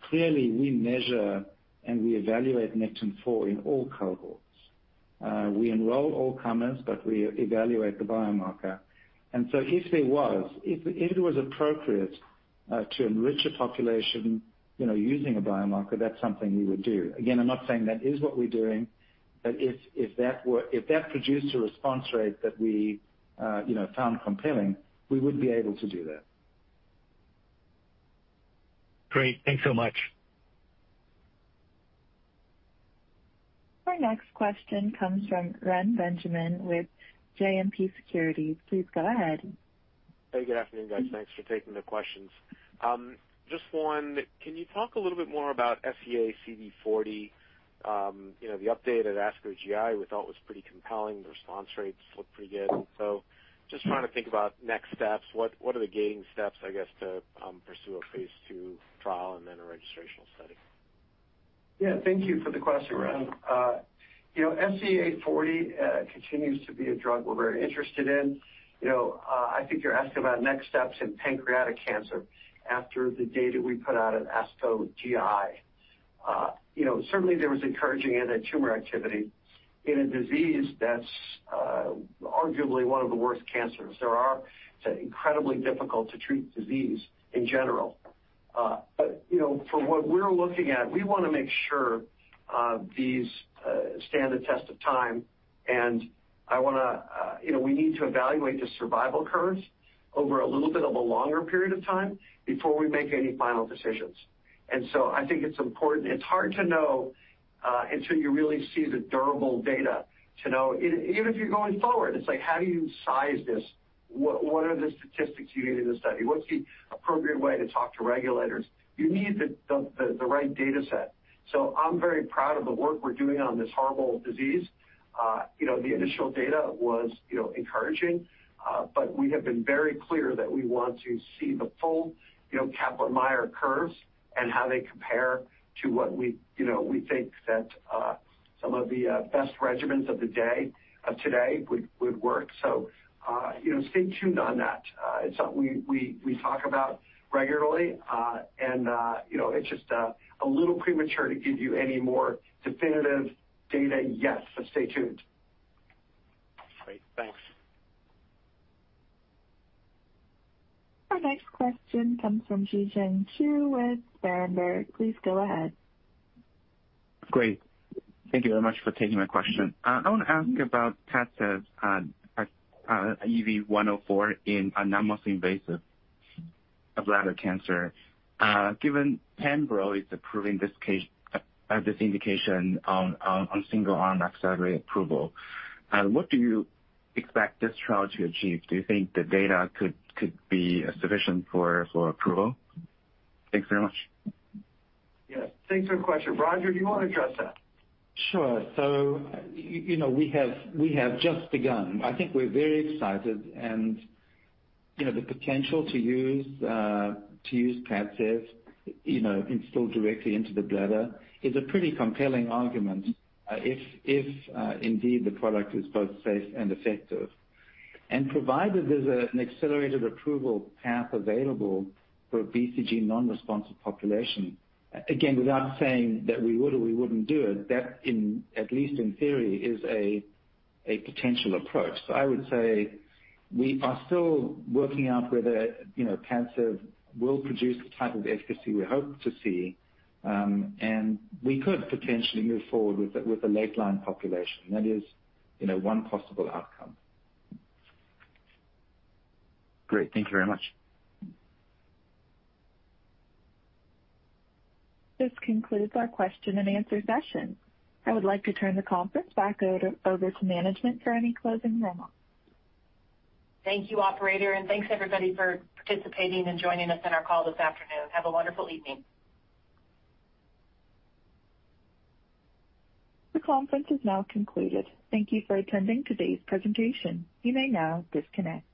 Speaker 6: clearly we measure and we evaluate Nectin-4 in all cohorts. We enroll all comers, but we evaluate the biomarker. If it was appropriate to enrich a population, you know, using a biomarker, that's something we would do. Again, I'm not saying that is what we're doing, but if that produced a response rate that we, you know, found compelling, we would be able to do that.
Speaker 3: Great. Thanks so much.
Speaker 1: Our next question comes from Reni Benjamin with JMP Securities. Please go ahead.
Speaker 20: Hey, good afternoon, guys. Thanks for taking the questions. Just one. Can you talk a little bit more about SEA-CD40? You know, the update at ASCO GI we thought was pretty compelling. The response rates looked pretty good. Just trying to think about next steps. What are the gating steps, I guess, to pursue a phase II trial and then a registrational study?
Speaker 3: Yeah. Thank you for the question, Ren. You know, SEA-CD40 continues to be a drug we're very interested in. You know, I think you're asking about next steps in pancreatic cancer after the data we put out at ASCO GI. You know, certainly there was encouraging anti-tumor activity in a disease that's arguably one of the worst cancers. It's an incredibly difficult to treat disease in general. You know, for what we're looking at, we wanna make sure these stand the test of time. I wanna. You know, we need to evaluate the survival curves over a little bit of a longer period of time before we make any final decisions. I think it's important. It's hard to know until you really see the durable data to know. Even if you're going forward, it's like, how do you size this? What are the statistics you need in the study? What's the appropriate way to talk to regulators? You need the right data set. I'm very proud of the work we're doing on this horrible disease. You know, the initial data was, you know, encouraging, but we have been very clear that we want to see the full, you know, Kaplan-Meier curves and how they compare to what we, you know, we think that some of the best regimens of the day today would work. You know, stay tuned on that. It's something we talk about regularly, and you know, it's just a little premature to give you any more definitive data yet. Stay tuned.
Speaker 20: Great. Thanks.
Speaker 1: Our next question comes from Zizhen Xu with Berenberg. Please go ahead.
Speaker 21: Great. Thank you very much for taking my question. I wanna ask about Padcev's EV-104 in non-muscle-invasive bladder cancer. Given Keytruda is approving this indication on single-arm accelerated approval, what do you expect this trial to achieve? Do you think the data could be sufficient for approval? Thanks very much.
Speaker 3: Yes. Thanks for the question. Roger, do you wanna address that?
Speaker 6: Sure. You know, we have just begun. I think we're very excited and, you know, the potential to use Padcev, you know, installed directly into the bladder is a pretty compelling argument, if indeed the product is both safe and effective. Provided there's an accelerated approval path available for a BCG non-responsive population, again, without saying that we would or we wouldn't do it, that, at least in theory, is a potential approach. I would say we are still working out whether, you know, Padcev will produce the type of efficacy we hope to see, and we could potentially move forward with a late-line population. That is, you know, one possible outcome.
Speaker 21: Great. Thank you very much.
Speaker 1: This concludes our question and answer session. I would like to turn the conference back over to management for any closing remarks.
Speaker 2: Thank you, operator, and thanks everybody for participating and joining us on our call this afternoon. Have a wonderful evening.
Speaker 1: The conference is now concluded. Thank you for attending today's presentation. You may now disconnect.